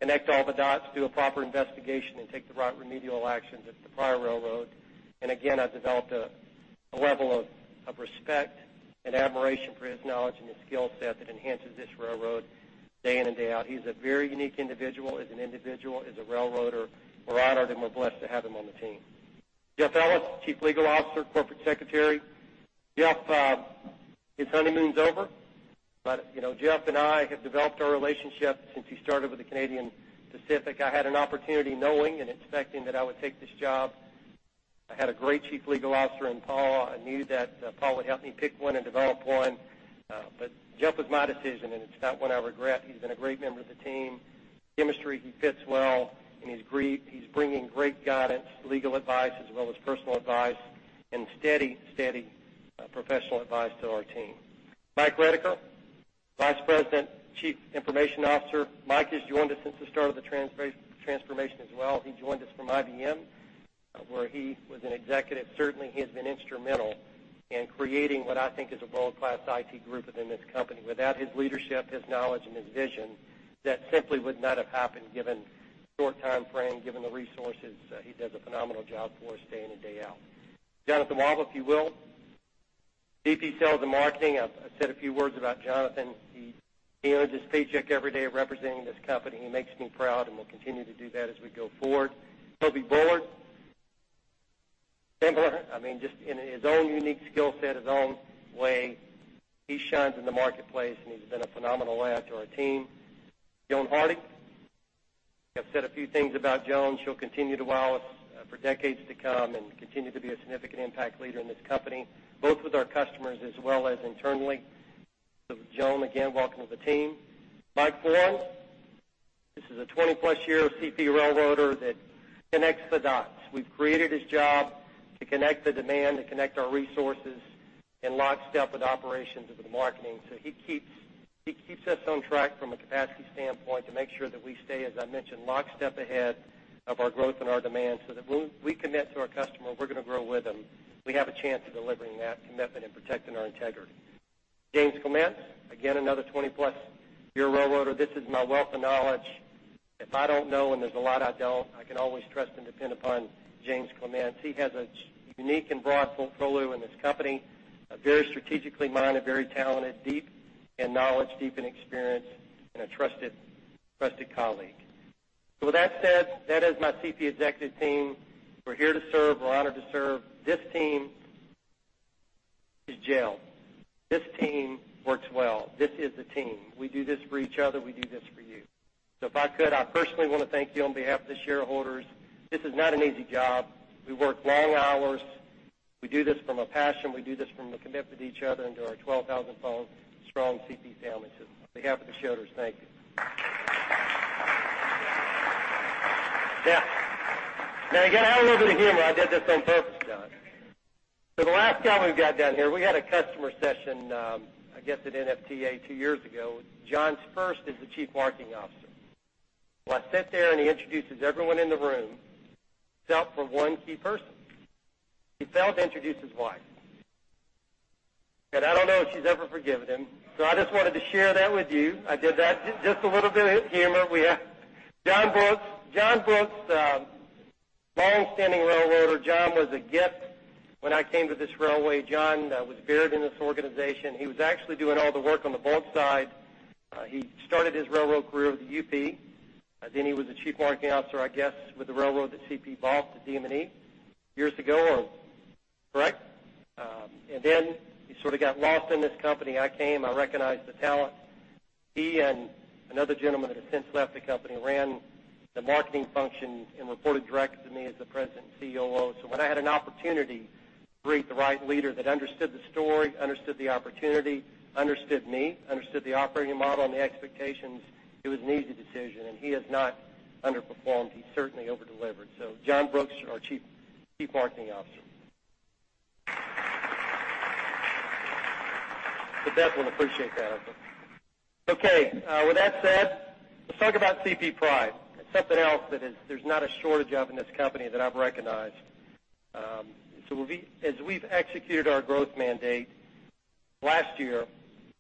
connect all the dots, do a proper investigation, and take the right remedial actions at the prior railroad. Again, I've developed a level of respect and admiration for his knowledge and his skill set that enhances this railroad day in and day out. He's a very unique individual, as an individual, as a railroader. We're honored and we're blessed to have him on the team. Jeff Ellis, Chief Legal Officer, Corporate Secretary. Jeff, his honeymoon's over, but, you know, Jeff and I have developed our relationship since he started with the Canadian Pacific. I had an opportunity, knowing and expecting that I would take this job. I had a great chief legal officer in Paul. I knew that Paul would help me pick one and develop one, but Jeff was my decision, and it's not one I regret. He's been a great member of the team. Chemistry, he fits well, and he's bringing great guidance, legal advice, as well as personal advice and steady, steady, professional advice to our team. Mike Rediker, Vice President, Chief Information Officer. Mike has joined us since the start of the transformation as well. He joined us from IBM, where he was an executive. Certainly, he has been instrumental in creating what I think is a world-class IT group within this company. Without his leadership, his knowledge, and his vision, that simply would not have happened, given short time frame, given the resources. He does a phenomenal job for us day in and day out. Jonathan Wahba, if you will. VP, Sales and Marketing. I've said a few words about Jonathan. He earns his paycheck every day representing this company, and he makes me proud and will continue to do that as we go forward. Coby Bullard, similar, I mean, just in his own unique skill set, his own way, he shines in the marketplace, and he's been a phenomenal add to our team. Joan Hardy. I've said a few things about Joan. She'll continue to wow us for decades to come and continue to be a significant impact leader in this company, both with our customers as well as internally. So Joan, again, welcome to the team. Mike Foran, this is a 20-plus-year CP railroader that connects the dots. We've created his job to connect the demand, to connect our resources in lockstep with operations and with marketing. So he keeps, he keeps us on track from a capacity standpoint to make sure that we stay, as I mentioned, lockstep ahead of our growth and our demand, so that when we commit to our customer, we're gonna grow with them. We have a chance of delivering that commitment and protecting our integrity. James Clements, again, another 20+ year railroader. This is my wealth of knowledge. If I don't know, and there's a lot I don't, I can always trust and depend upon James Clements. He has a unique and broad portfolio in this company, a very strategically minded, very talented, deep in knowledge, deep in experience, and a trusted, trusted colleague. So with that said, that is my CP executive team. We're here to serve. We're honored to serve. This team is gelled. This team works well. This is a team. We do this for each other, we do this for you. So if I could, I personally want to thank you on behalf of the shareholders. This is not an easy job. We work long hours. We do this from a passion. We do this from a commitment to each other and to our 12,000 strong CP family. So on behalf of the shareholders, thank you. Yeah. Now, again, I add a little bit of humor. I did this on purpose, John. So the last guy we've got down here, we had a customer session, I guess, at NFTA two years ago. John's first as the Chief Marketing Officer. Well, I sit there and he introduces everyone in the room, except for one key person. He failed to introduce his wife, and I don't know if she's ever forgiven him, so I just wanted to share that with you. I did that just a little bit of humor we have. John Brooks. John Brooks, long-standing railroader. John was a gift when I came to this railway. John was buried in this organization. He was actually doing all the work on the bulk side. He started his railroad career with the UP, and then he was the Chief Marketing Officer, I guess, with the railroad that CP bought, the DM&E, years ago, or correct? And then he sort of got lost in this company. I came, I recognized the talent. He and another gentleman, that has since left the company, ran the marketing function and reported directly to me as the President and COO. So when I had an opportunity to greet the right leader that understood the story, understood the opportunity, understood me, understood the operating model and the expectations, it was an easy decision, and he has not underperformed. He certainly over-delivered. So John Brooks, our Chief Marketing Officer. The Bet will appreciate that. Okay, with that said, let's talk about CP pride. It's something else that is—there's not a shortage of in this company that I've recognized. So we'll be. As we've executed our growth mandate last year,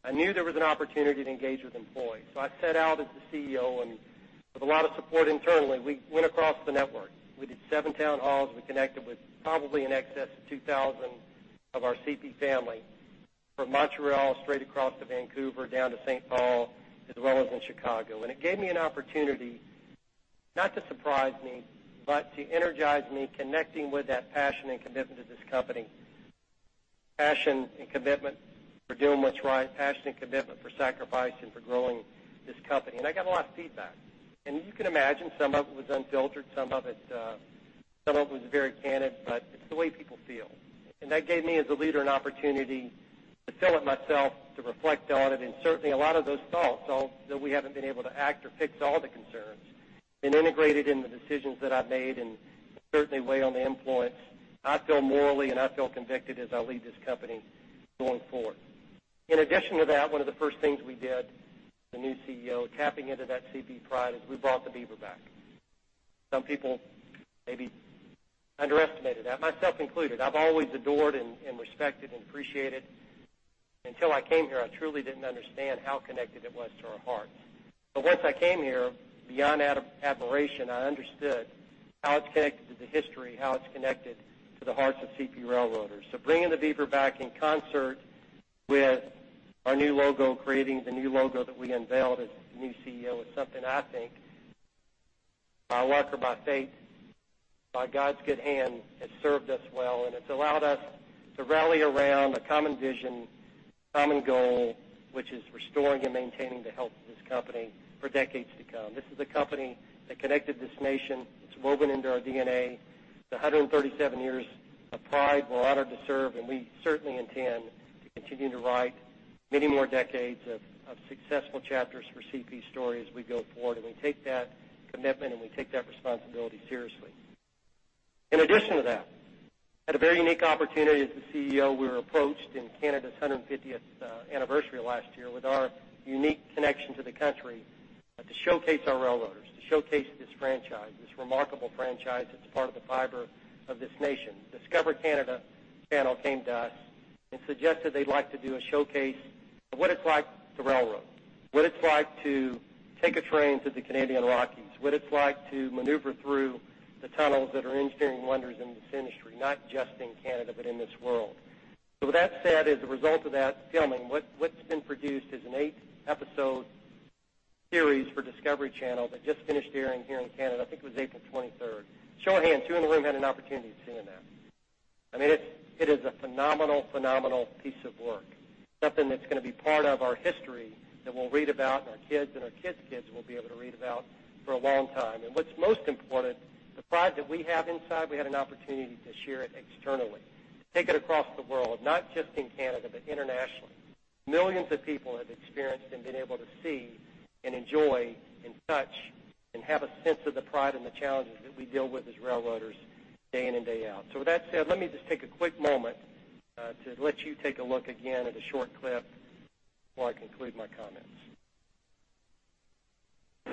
I knew there was an opportunity to engage with employees, so I set out as the CEO, and with a lot of support internally, we went across the network. We did seven town halls. We connected with probably in excess of 2,000 of our CP family, from Montreal, straight across to Vancouver, down to St. Paul, as well as in Chicago. And it gave me an opportunity, not to surprise me, but to energize me, connecting with that passion and commitment to this company. Passion and commitment for doing what's right, passion and commitment for sacrifice and for growing this company. And I got a lot of feedback, and you can imagine some of it was unfiltered, some of it, some of it was very candid, but it's the way people feel. And that gave me, as a leader, an opportunity to fill it myself, to reflect on it, and certainly a lot of those thoughts, although, though we haven't been able to act or fix all the concerns, been integrated in the decisions that I've made and certainly weigh on the influence. I feel morally, and I feel convicted as I lead this company going forward. In addition to that, one of the first things we did, the new CEO, tapping into that CP pride, is we brought the beaver back. Some people maybe underestimated that, myself included. I've always adored and respected and appreciated. Until I came here, I truly didn't understand how connected it was to our hearts. But once I came here, beyond admiration, I understood how it's connected to the history, how it's connected to the hearts of CP railroaders. So bringing the beaver back in concert with our new logo, creating the new logo that we unveiled as the new CEO, is something I think, by luck or by fate, by God's good hand, has served us well, and it's allowed us to rally around a common vision, common goal, which is restoring and maintaining the health of this company for decades to come. This is a company that connected this nation. It's woven into our DNA. The 137 years of pride, we're honored to serve, and we certainly intend to continue to write many more decades of successful chapters for CP story as we go forward, and we take that commitment, and we take that responsibility seriously. In addition to that, I had a very unique opportunity as the CEO. We were approached in Canada's 150th anniversary last year with our unique connection to the country to showcase our railroaders, to showcase this franchise, this remarkable franchise that's part of the fiber of this nation. Discovery Canada came to us and suggested they'd like to do a showcase of what it's like to railroad, what it's like to take a train to the Canadian Rockies, what it's like to maneuver through the tunnels that are engineering wonders in this industry, not just in Canada, but in this world. So with that said, as a result of that filming, what, what's been produced is an eight-episode series for Discovery Channel that just finished airing here in Canada. I think it was April 23rd. Show of hands, who in the room had an opportunity to seeing that? I mean, it, it is a phenomenal, phenomenal piece of work, something that's gonna be part of our history, that we'll read about, and our kids and our kids' kids will be able to read about for a long time. What's most important, the pride that we have inside, we had an opportunity to share it externally, take it across the world, not just in Canada, but internationally. Millions of people have experienced and been able to see and enjoy and touch and have a sense of the pride and the challenges that we deal with as railroaders day in and day out. So with that said, let me just take a quick moment to let you take a look again at a short clip before I conclude my comments. You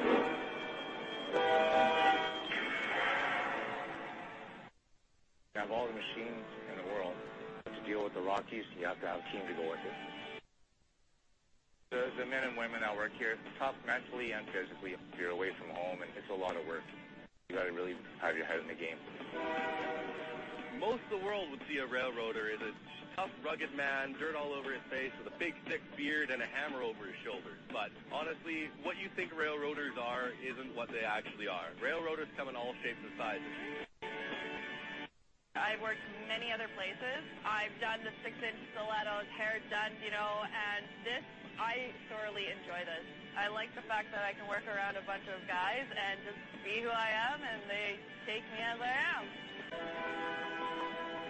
have all the machines in the world. But to deal with the Rockies, you have to have a team to go with it. The men and women that work here, it's tough, mentally and physically. You're away from home, and it's a lot of work. You gotta really have your head in the game. Most of the world would see a railroader as a tough, rugged man, dirt all over face with a big thick beard and a hammer over his shoulder. But honestly, what you think railroaders are isn't what they actually are. Railroaders come in all shapes and sizes. I've worked many other places. I've done the six-inch stilettos, hair done, you know, and this, I thoroughly enjoy this. I like the fact that I can work around a bunch of guys and just be who I am, and they take me as I am.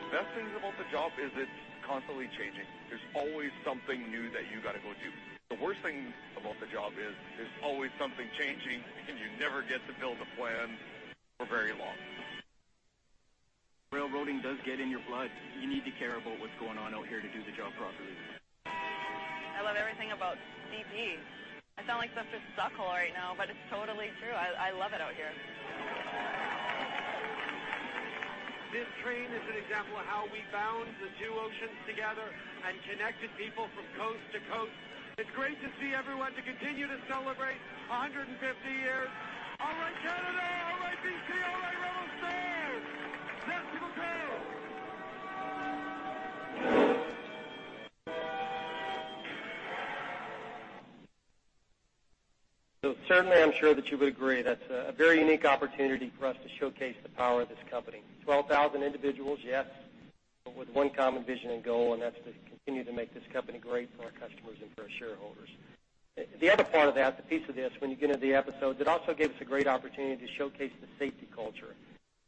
The best thing about the job is it's constantly changing. There's always something new that you gotta go do. The worst thing about the job is, there's always something changing, and you never get to build a plan for very long. Railroading does get in your blood. You need to care about what's going on out here to do the job properly. I love everything about CP. I sound like such a suckhole right now, but it's totally true. I love it out here. This train is an example of how we bound the two oceans together and connected people from coast to coast. It's great to see everyone to continue to celebrate 150 years. All right, Canada! All right, BC! All right, rail stars! Let's go. So certainly, I'm sure that you would agree, that's a very unique opportunity for us to showcase the power of this company. 12,000 individuals, yes, but with one common vision and goal, and that's to continue to make this company great for our customers and for our shareholders. The other part of that, the piece of this, when you get into the episode, it also gave us a great opportunity to showcase the safety culture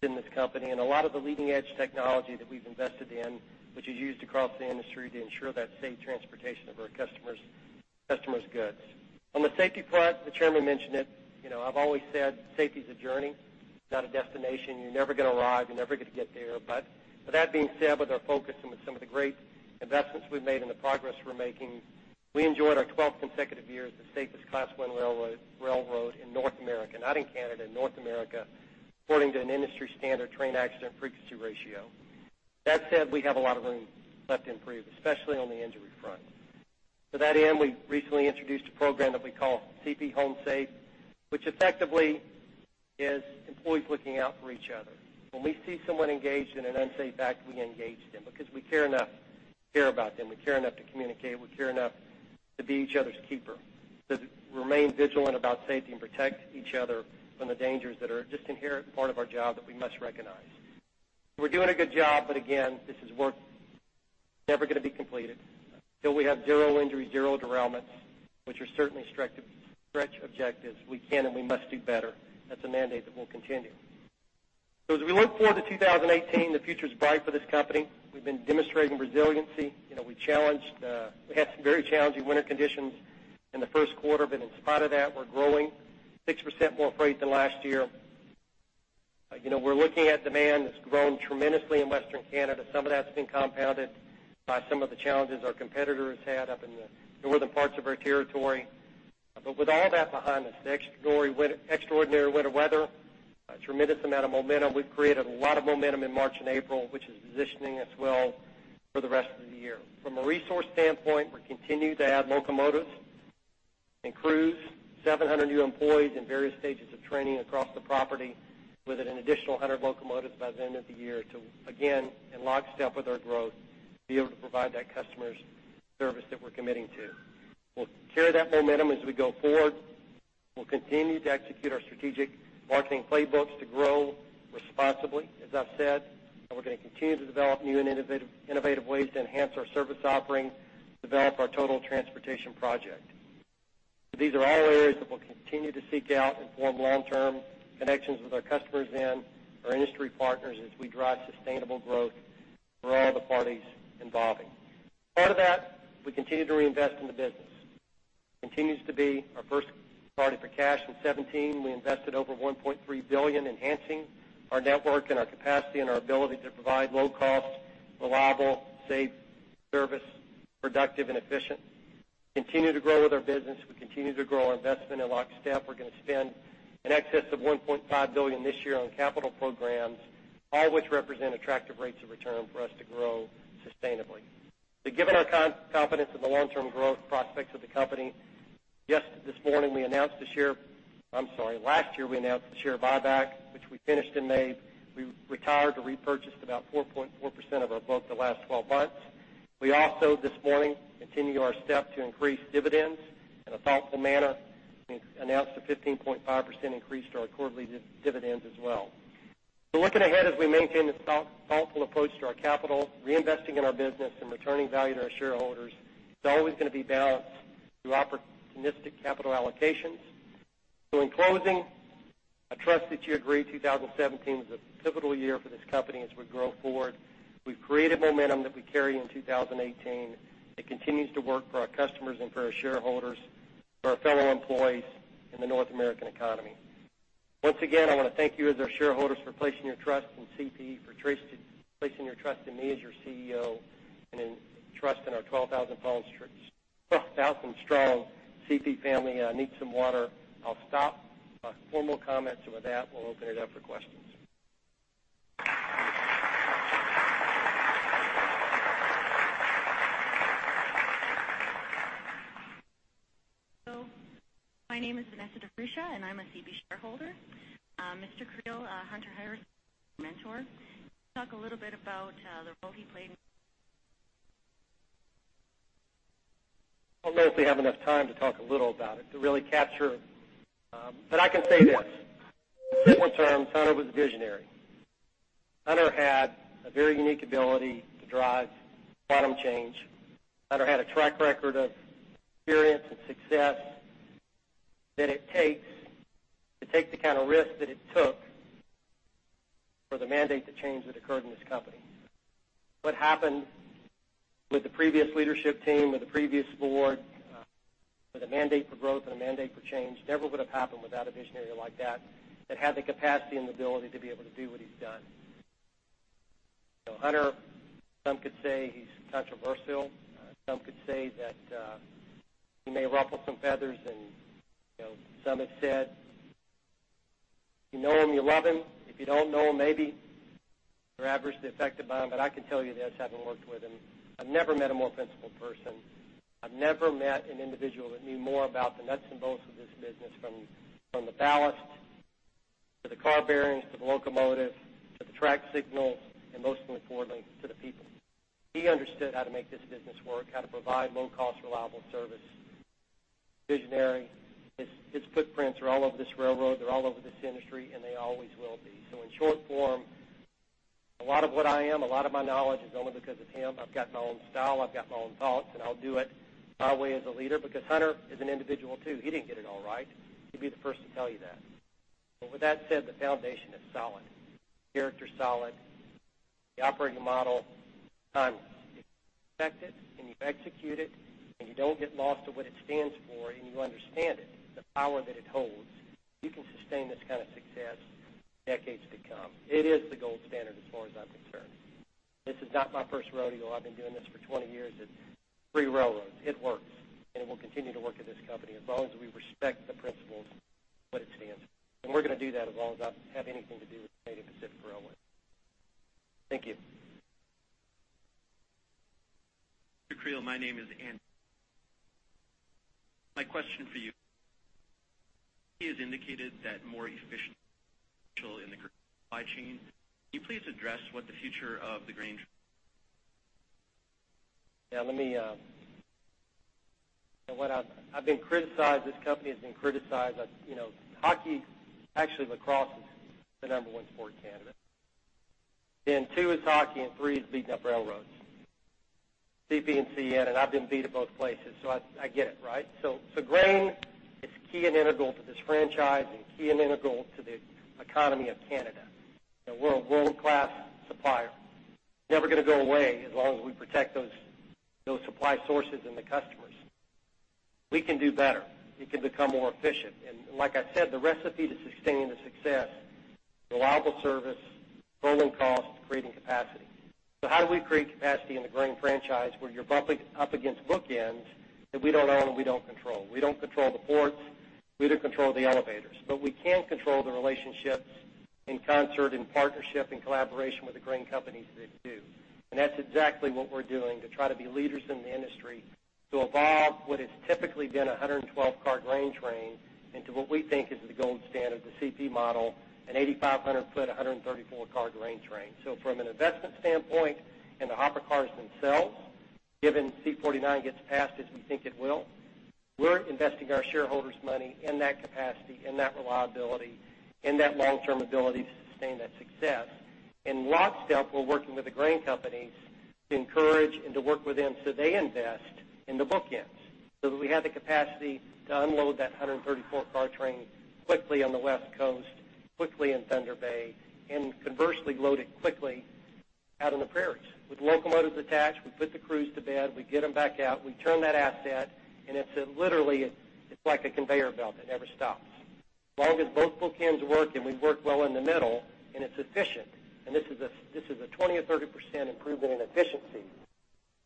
in this company and a lot of the leading-edge technology that we've invested in, which is used across the industry to ensure that safe transportation of our customers' goods. On the safety front, the chairman mentioned it, you know, I've always said safety is a journey, not a destination. You're never gonna arrive, you're never gonna get there. But with that being said, with our focus and with some of the great investments we've made and the progress we're making, we enjoyed our twelfth consecutive year as the safest Class I Railroad, railroad in North America, not in Canada, in North America, according to an industry-standard Train Accident Frequency Ratio. That said, we have a lot of room left to improve, especially on the injury front. To that end, we recently introduced a program that we call CP Home Safe, which effectively is employees looking out for each other. When we see someone engaged in an unsafe act, we engage them because we care enough, care about them, we care enough to communicate, we care enough to be each other's keeper, to remain vigilant about safety and protect each other from the dangers that are just inherent part of our job that we must recognize. We're doing a good job, but again, this is work never gonna be completed till we have zero injuries, zero derailments, which are certainly stretch, stretch objectives. We can and we must do better. That's a mandate that will continue. So as we look forward to 2018, the future is bright for this company. We've been demonstrating resiliency. You know, we had some very challenging winter conditions in the first quarter, but in spite of that, we're growing 6% more freight than last year. You know, we're looking at demand that's grown tremendously in Western Canada. Some of that's been compounded by some of the challenges our competitor has had up in the northern parts of our territory. But with all that behind us, the extraordinary winter weather, a tremendous amount of momentum, we've created a lot of momentum in March and April, which is positioning us well for the rest of the year. From a resource standpoint, we continue to add locomotives and crews, 700 new employees in various stages of training across the property, with an additional 100 locomotives by the end of the year to, again, in lockstep with our growth, be able to provide that customer's service that we're committing to. We'll carry that momentum as we go forward. We'll continue to execute our strategic marketing playbooks to grow responsibly, as I've said, and we're gonna continue to develop new and innovative, innovative ways to enhance our service offerings, develop our total transportation project. These are all areas that we'll continue to seek out and form long-term connections with our customers and our industry partners as we drive sustainable growth for all the parties involving. Part of that, we continue to reinvest in the business. Continues to be our first priority for cash. In 2017, we invested over 1.3 billion, enhancing our network and our capacity and our ability to provide low-cost, reliable, safe service, productive and efficient. Continue to grow with our business. We continue to grow our investment in lockstep. We're gonna spend in excess of 1.5 billion this year on capital programs, all which represent attractive rates of return for us to grow sustainably. So given our confidence in the long-term growth prospects of the company, yes, this morning we announced a share—I'm sorry, last year, we announced a share buyback, which we finished in May. We retired or repurchased about 4.4% of our book the last 12 months. We also, this morning, continue our step to increase dividends in a thoughtful manner. We announced a 15.5% increase to our quarterly dividends as well. So looking ahead as we maintain this thoughtful approach to our capital, reinvesting in our business and returning value to our shareholders, it's always gonna be balanced through opportunistic capital allocations. So in closing, I trust that you agree 2017 was a pivotal year for this company as we grow forward. We've created momentum that we carry in 2018. It continues to work for our customers and for our shareholders, for our fellow employees in the North American economy. Once again, I wanna thank you as our shareholders for placing your trust in CP, for placing your trust in me as your CEO, and in trust in our 12,000-strong CP family. I need some water. I'll stop my formal comments, and with that, we'll open it up for questions. My name is Vanessa DiFruscia, and I'm a CP shareholder. Mr. Creel, Hunter Harrison, mentor. Talk a little bit about the role he played? I don't know if we have enough time to talk a little about it, to really capture... But I can say this, in one term, Hunter was a visionary. Hunter had a very unique ability to drive bottom change. Hunter had a track record of experience and success that it takes to take the kind of risk that it took for the mandate to change that occurred in this company. What happened with the previous leadership team, with the previous board, with a mandate for growth and a mandate for change, never would have happened without a visionary like that, that had the capacity and the ability to be able to do what he's done. So Hunter, some could say he's controversial, some could say that, he may ruffle some feathers and, you know, some have said, "You know him, you love him. If you don't know him, maybe you're adversely affected by him." But I can tell you this, having worked with him, I've never met a more principled person. I've never met an individual that knew more about the nuts and bolts of this business, from the ballast, to the car bearings, to the locomotive, to the track signals, and most importantly, to the people. He understood how to make this business work, how to provide low-cost, reliable service. Visionary. His footprints are all over this railroad. They're all over this industry, and they always will be. So in short form, a lot of what I am, a lot of my knowledge is only because of him. I've got my own style, I've got my own thoughts, and I'll do it my way as a leader, because Hunter is an individual, too. He didn't get it all right. He'd be the first to tell you that. But with that said, the foundation is solid, character solid, the operating model, perfect, and you execute it, and you don't get lost to what it stands for, and you understand it, the power that it holds. You can sustain this kind of success decades to come. It is the gold standard as far as I'm concerned. This is not my first rodeo. I've been doing this for 20 years. It's three railroads. It works, and it will continue to work at this company as long as we respect the principles, what it stands for. And we're gonna do that as long as I have anything to do with Canadian Pacific Railway. Thank you. Mr. Creel, my name is [Ann]. My question for you is, indicated that more efficient in the supply chain. Can you please address what the future of the grain. Yeah, let me. And what I've, I've been criticized, this company has been criticized as, you know, hockey, actually, lacrosse is the number one sport in Canada, then two is hockey, and three is beating up railroads. CP and CN, and I've been beat at both places, so I get it, right? So, so grain is key and integral to this franchise and key and integral to the economy of Canada. And we're a world-class supplier. Never gonna go away, as long as we protect those, those supply sources and the customers. We can do better. We can become more efficient. And like I said, the recipe to sustaining the success, reliable service, rolling costs, creating capacity. So how do we create capacity in the grain franchise, where you're bumping up against bookends that we don't own and we don't control? We don't control the ports, we don't control the elevators, but we can control the relationships in concert, in partnership, in collaboration with the grain companies that do. That's exactly what we're doing, to try to be leaders in the industry, to evolve what has typically been a 112-car grain train into what we think is the gold standard, the CP model, an 8,500-foot, 134-car grain train. From an investment standpoint, and the hopper cars themselves, given C-49 gets passed as we think it will, we're investing our shareholders' money in that capacity and that reliability, in that long-term ability to sustain that success. In lockstep, we're working with the grain companies to encourage and to work with them, so they invest in the bookends, so that we have the capacity to unload that 134-car train quickly on the West Coast, quickly in Thunder Bay, and conversely, load it quickly out on the prairies. With locomotives attached, we put the crews to bed, we get them back out, we turn that asset, and it's literally, it's like a conveyor belt. It never stops. As long as both bookends work and we work well in the middle, and it's efficient, and this is a, this is a 20%-30% improvement in efficiency.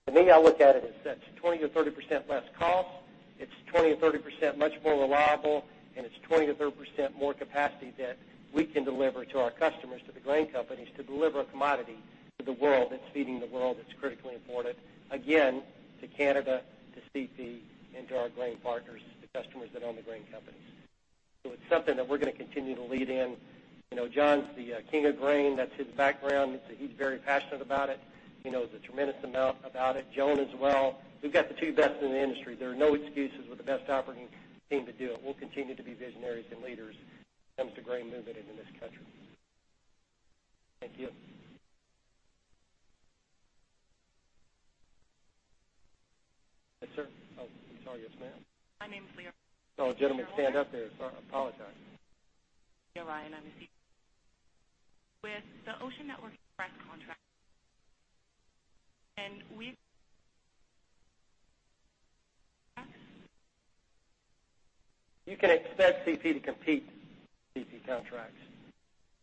To me, I look at it as such, 20%-30% less cost, it's 20%-30% much more reliable, and it's 20%-30% more capacity that we can deliver to our customers, to the grain companies to deliver a commodity to the world. That's feeding the world. It's critically important, again, to Canada, to CP, and to our grain partners, the customers that own the grain companies. So it's something that we're gonna continue to lead in. You know, John's the king of grain. That's his background. He's very passionate about it. He knows a tremendous amount about it. Joan as well. We've got the two best in the industry. There are no excuses with the best operating team to do it. We'll continue to be visionaries and leaders when it comes to grain movement in this country. Thank you. Yes, sir. Oh, I'm sorry. Yes, ma'am. My name is [Lea]. Oh, gentleman, stand up there. Sorry, I apologize. With the Ocean Network Express contract, and we. You can expect CP to compete CP contracts.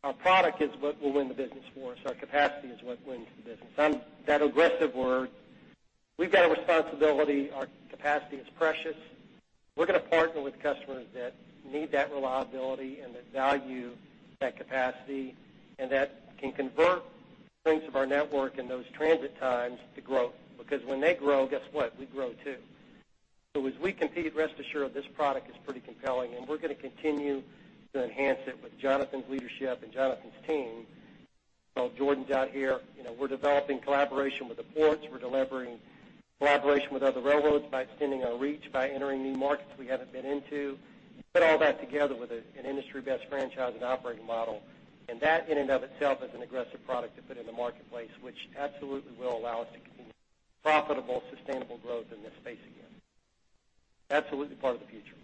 Our product is what will win the business for us. Our capacity is what wins the business. I'm that aggressive word. We've got a responsibility. Our capacity is precious. We're gonna partner with customers that need that reliability and that value, that capacity, and that can convert strengths of our network and those transit times to grow, because when they grow, guess what? We grow, too. So as we compete, rest assured, this product is pretty compelling, and we're gonna continue to enhance it with Jonathan's leadership and Jonathan's team. Well, Jordan's out here. You know, we're developing collaboration with the ports. We're delivering collaboration with other railroads by extending our reach, by entering new markets we haven't been into. Put all that together with an industry-best franchise and operating model, and that, in and of itself, is an aggressive product to put in the marketplace, which absolutely will allow us to continue profitable, sustainable growth in this space again. Absolutely part of the future.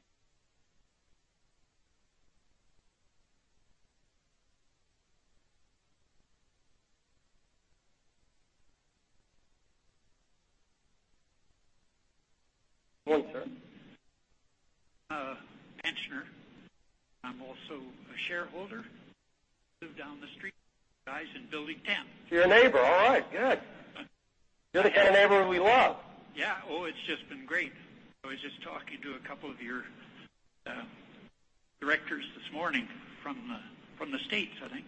Hello, sir. Pensioner. I'm also a shareholder. Live down the street, guys, in Building 10. You're a neighbor. All right, good! Building Ten, a neighbor we love. Yeah. Oh, it's just been great. I was just talking to a couple of your directors this morning from the States, I think,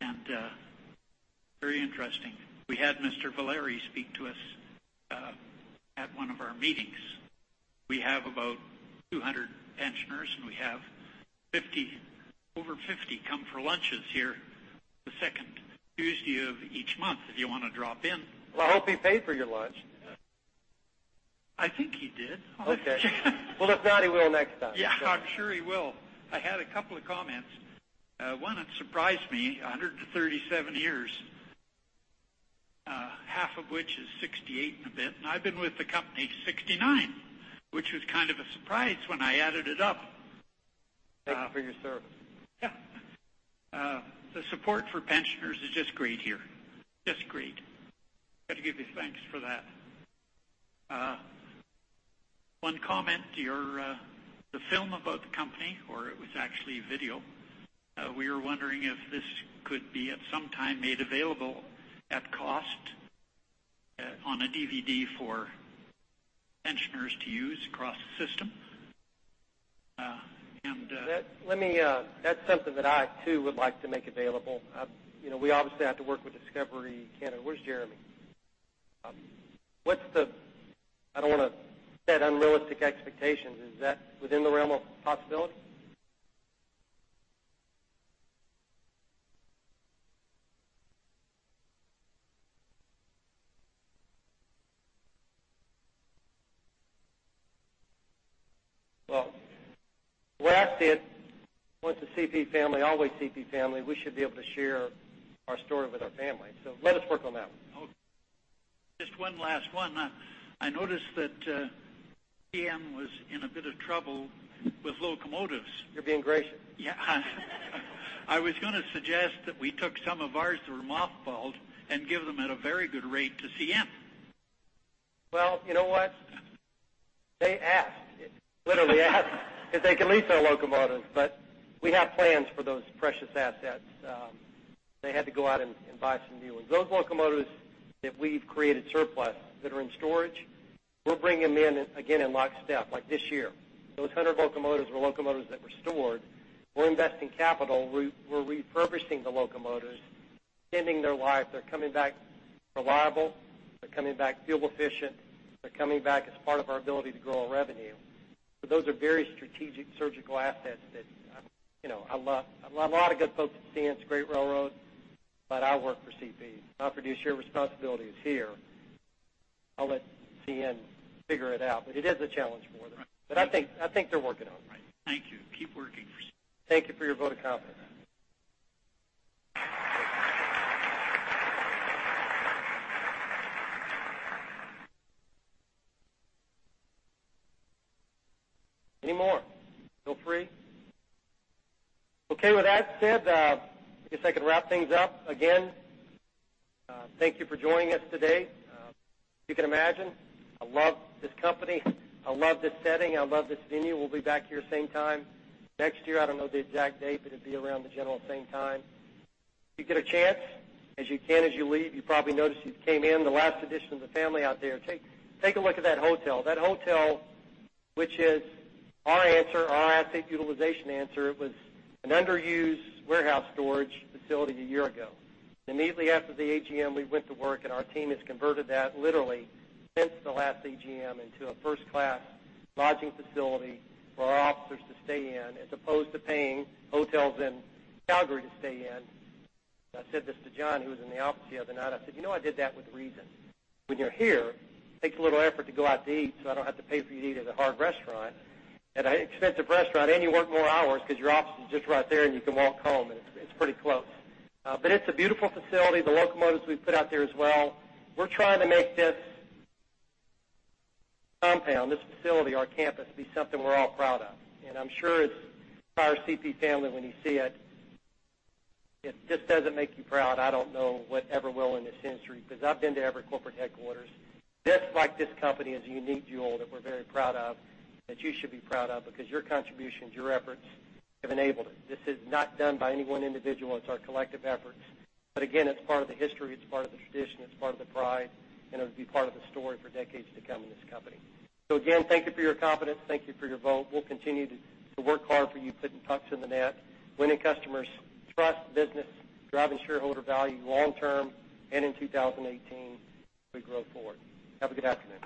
and very interesting. We had Mr. Velani speak to us at one of our meetings. We have about 200 pensioners, and we have 50, over 50, come for lunches here the second Tuesday of each month, if you want to drop in. Well, I hope he paid for your lunch. I think he did. Okay. Well, if not, he will next time. Yeah, I'm sure he will. I had a couple of comments. One, it surprised me, 137 years, half of which is 68 and a bit. And I've been with the company 69, which was kind of a surprise when I added it up. Thank you for your service. Yeah. The support for pensioners is just great here, just great. Got to give you thanks for that. One comment, your the film about the company, or it was actually a video, we were wondering if this could be, at some time, made available at cost, on a DVD for pensioners to use across the system? Let me. That's something that I, too, would like to make available. I've. You know, we obviously have to work with Discovery Canada. Where's Jeremy? What's the. I don't want to set unrealistic expectations. Is that within the realm of possibility? Well, where I fit, once a CP family, always CP family, we should be able to share our story with our family, so let us work on that one. Okay. Just one last one. I noticed that CN was in a bit of trouble with locomotives. You're being gracious. Yeah. I was gonna suggest that we took some of ours that were mothballed and give them at a very good rate to CN. Well, you know what? They asked, literally asked if they can lease our locomotives, but we have plans for those precious assets. They had to go out and buy some new ones. Those locomotives that we've created surplus, that are in storage, we'll bring them in again in lockstep, like this year. Those 100 locomotives were locomotives that were stored. We're investing capital. We're refurbishing the locomotives, extending their life. They're coming back reliable, they're coming back fuel efficient, they're coming back as part of our ability to grow our revenue. So those are very strategic, surgical assets that, you know, I love. A lot of good folks at CN, it's a great railroad, but I work for CP. My fiduciary responsibility is here. I'll let CN figure it out, but it is a challenge for them. But I think, I think they're working on it. Thank you. Keep working for CP. Thank you for your vote of confidence. Any more? Feel free. Okay, with that said, I guess I can wrap things up. Again, thank you for joining us today. You can imagine, I love this company. I love this setting. I love this venue. We'll be back here same time next year. I don't know the exact date, but it'd be around the general same time. If you get a chance, as you can, as you leave, you probably noticed as you came in, the last edition of the family out there. Take, take a look at that hotel. That hotel, which is our answer, our asset utilization answer, it was an underused warehouse storage facility a year ago. Immediately after the AGM, we went to work, and our team has converted that, literally, since the last AGM, into a first-class lodging facility for our officers to stay in, as opposed to paying hotels in Calgary to stay in. I said this to John, who was in the office the other night. I said, "You know, I did that with reason. When you're here, it takes a little effort to go out to eat, so I don't have to pay for you to eat at a hard restaurant, at an expensive restaurant, and you work more hours because your office is just right there, and you can walk home, and it's, it's pretty close." But it's a beautiful facility. The locomotives we've put out there as well. We're trying to make this compound, this facility, our campus, be something we're all proud of. And I'm sure it's our CP family, when you see it, if this doesn't make you proud, I don't know what ever will in this century, because I've been to every corporate headquarters. Just like this company is a unique jewel that we're very proud of, that you should be proud of because your contributions, your efforts, have enabled it. This is not done by any one individual. It's our collective efforts, but again, it's part of the history, it's part of the tradition, it's part of the pride, and it'll be part of the story for decades to come in this company. So again, thank you for your confidence. Thank you for your vote. We'll continue to work hard for you, putting pucks in the net, winning customers' trust, business, driving shareholder value long term, and in 2018, we grow forward. Have a good afternoon.